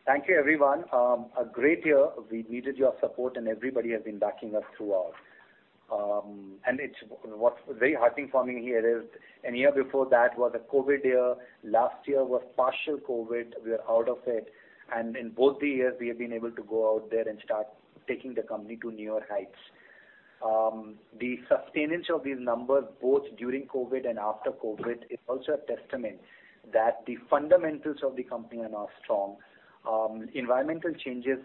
Thank you everyone. A great year. We needed your support, and everybody has been backing us throughout. What's very heartening for me here is a year before that was a COVID year, last year was partial COVID. We are out of it, and in both the years we have been able to go out there and start taking the company to newer heights. The sustenance of these numbers both during COVID and after COVID is also a testament that the fundamentals of the company are now strong. Environmental changes,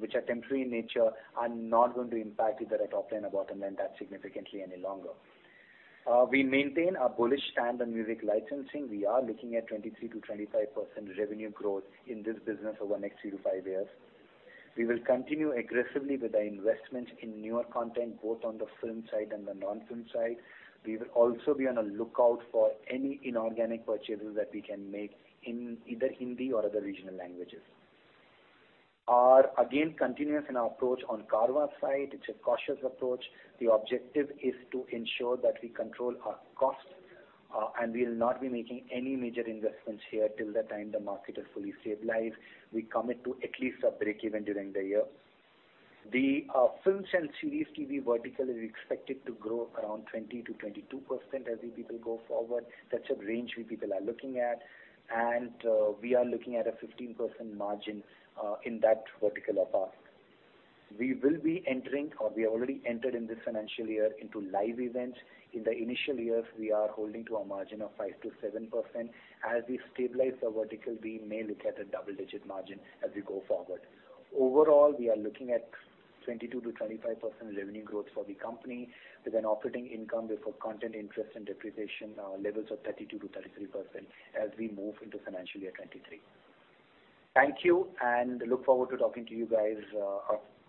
which are temporary in nature, are not going to impact either our top line or bottom line that significantly any longer. We maintain our bullish stand on music licensing. We are looking at 23%-25% revenue growth in this business over the next three to five years. We will continue aggressively with our investments in newer content, both on the film side and the non-film side. We will also be on a lookout for any inorganic purchases that we can make in either Hindi or other regional languages. Our, again, continuance in our approach on Carvaan side, it's a cautious approach. The objective is to ensure that we control our costs, and we'll not be making any major investments here till the time the market is fully stabilized. We commit to at least a break-even during the year. The films and series TV vertical is expected to grow around 20%-22% as we go forward. That's a range we are looking at, and we are looking at a 15% margin in that vertical apart. We will be entering, or we already entered in this financial year, into live events. In the initial years, we are holding to a margin of 5%-7%. As we stabilize the vertical, we may look at a double-digit margin as we go forward. Overall, we are looking at 22%-25% revenue growth for the company with an operating income before Content Charge, interest, and depreciation levels of 32%-33% as we move into financial year 2023. Thank you, and look forward to talking to you guys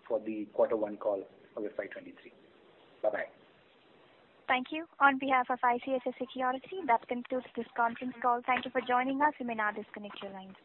for the quarter one call of FY 2023. Bye-bye. Thank you. On behalf of ICICI Securities, that concludes this conference call. Thank you for joining us. You may now disconnect your lines.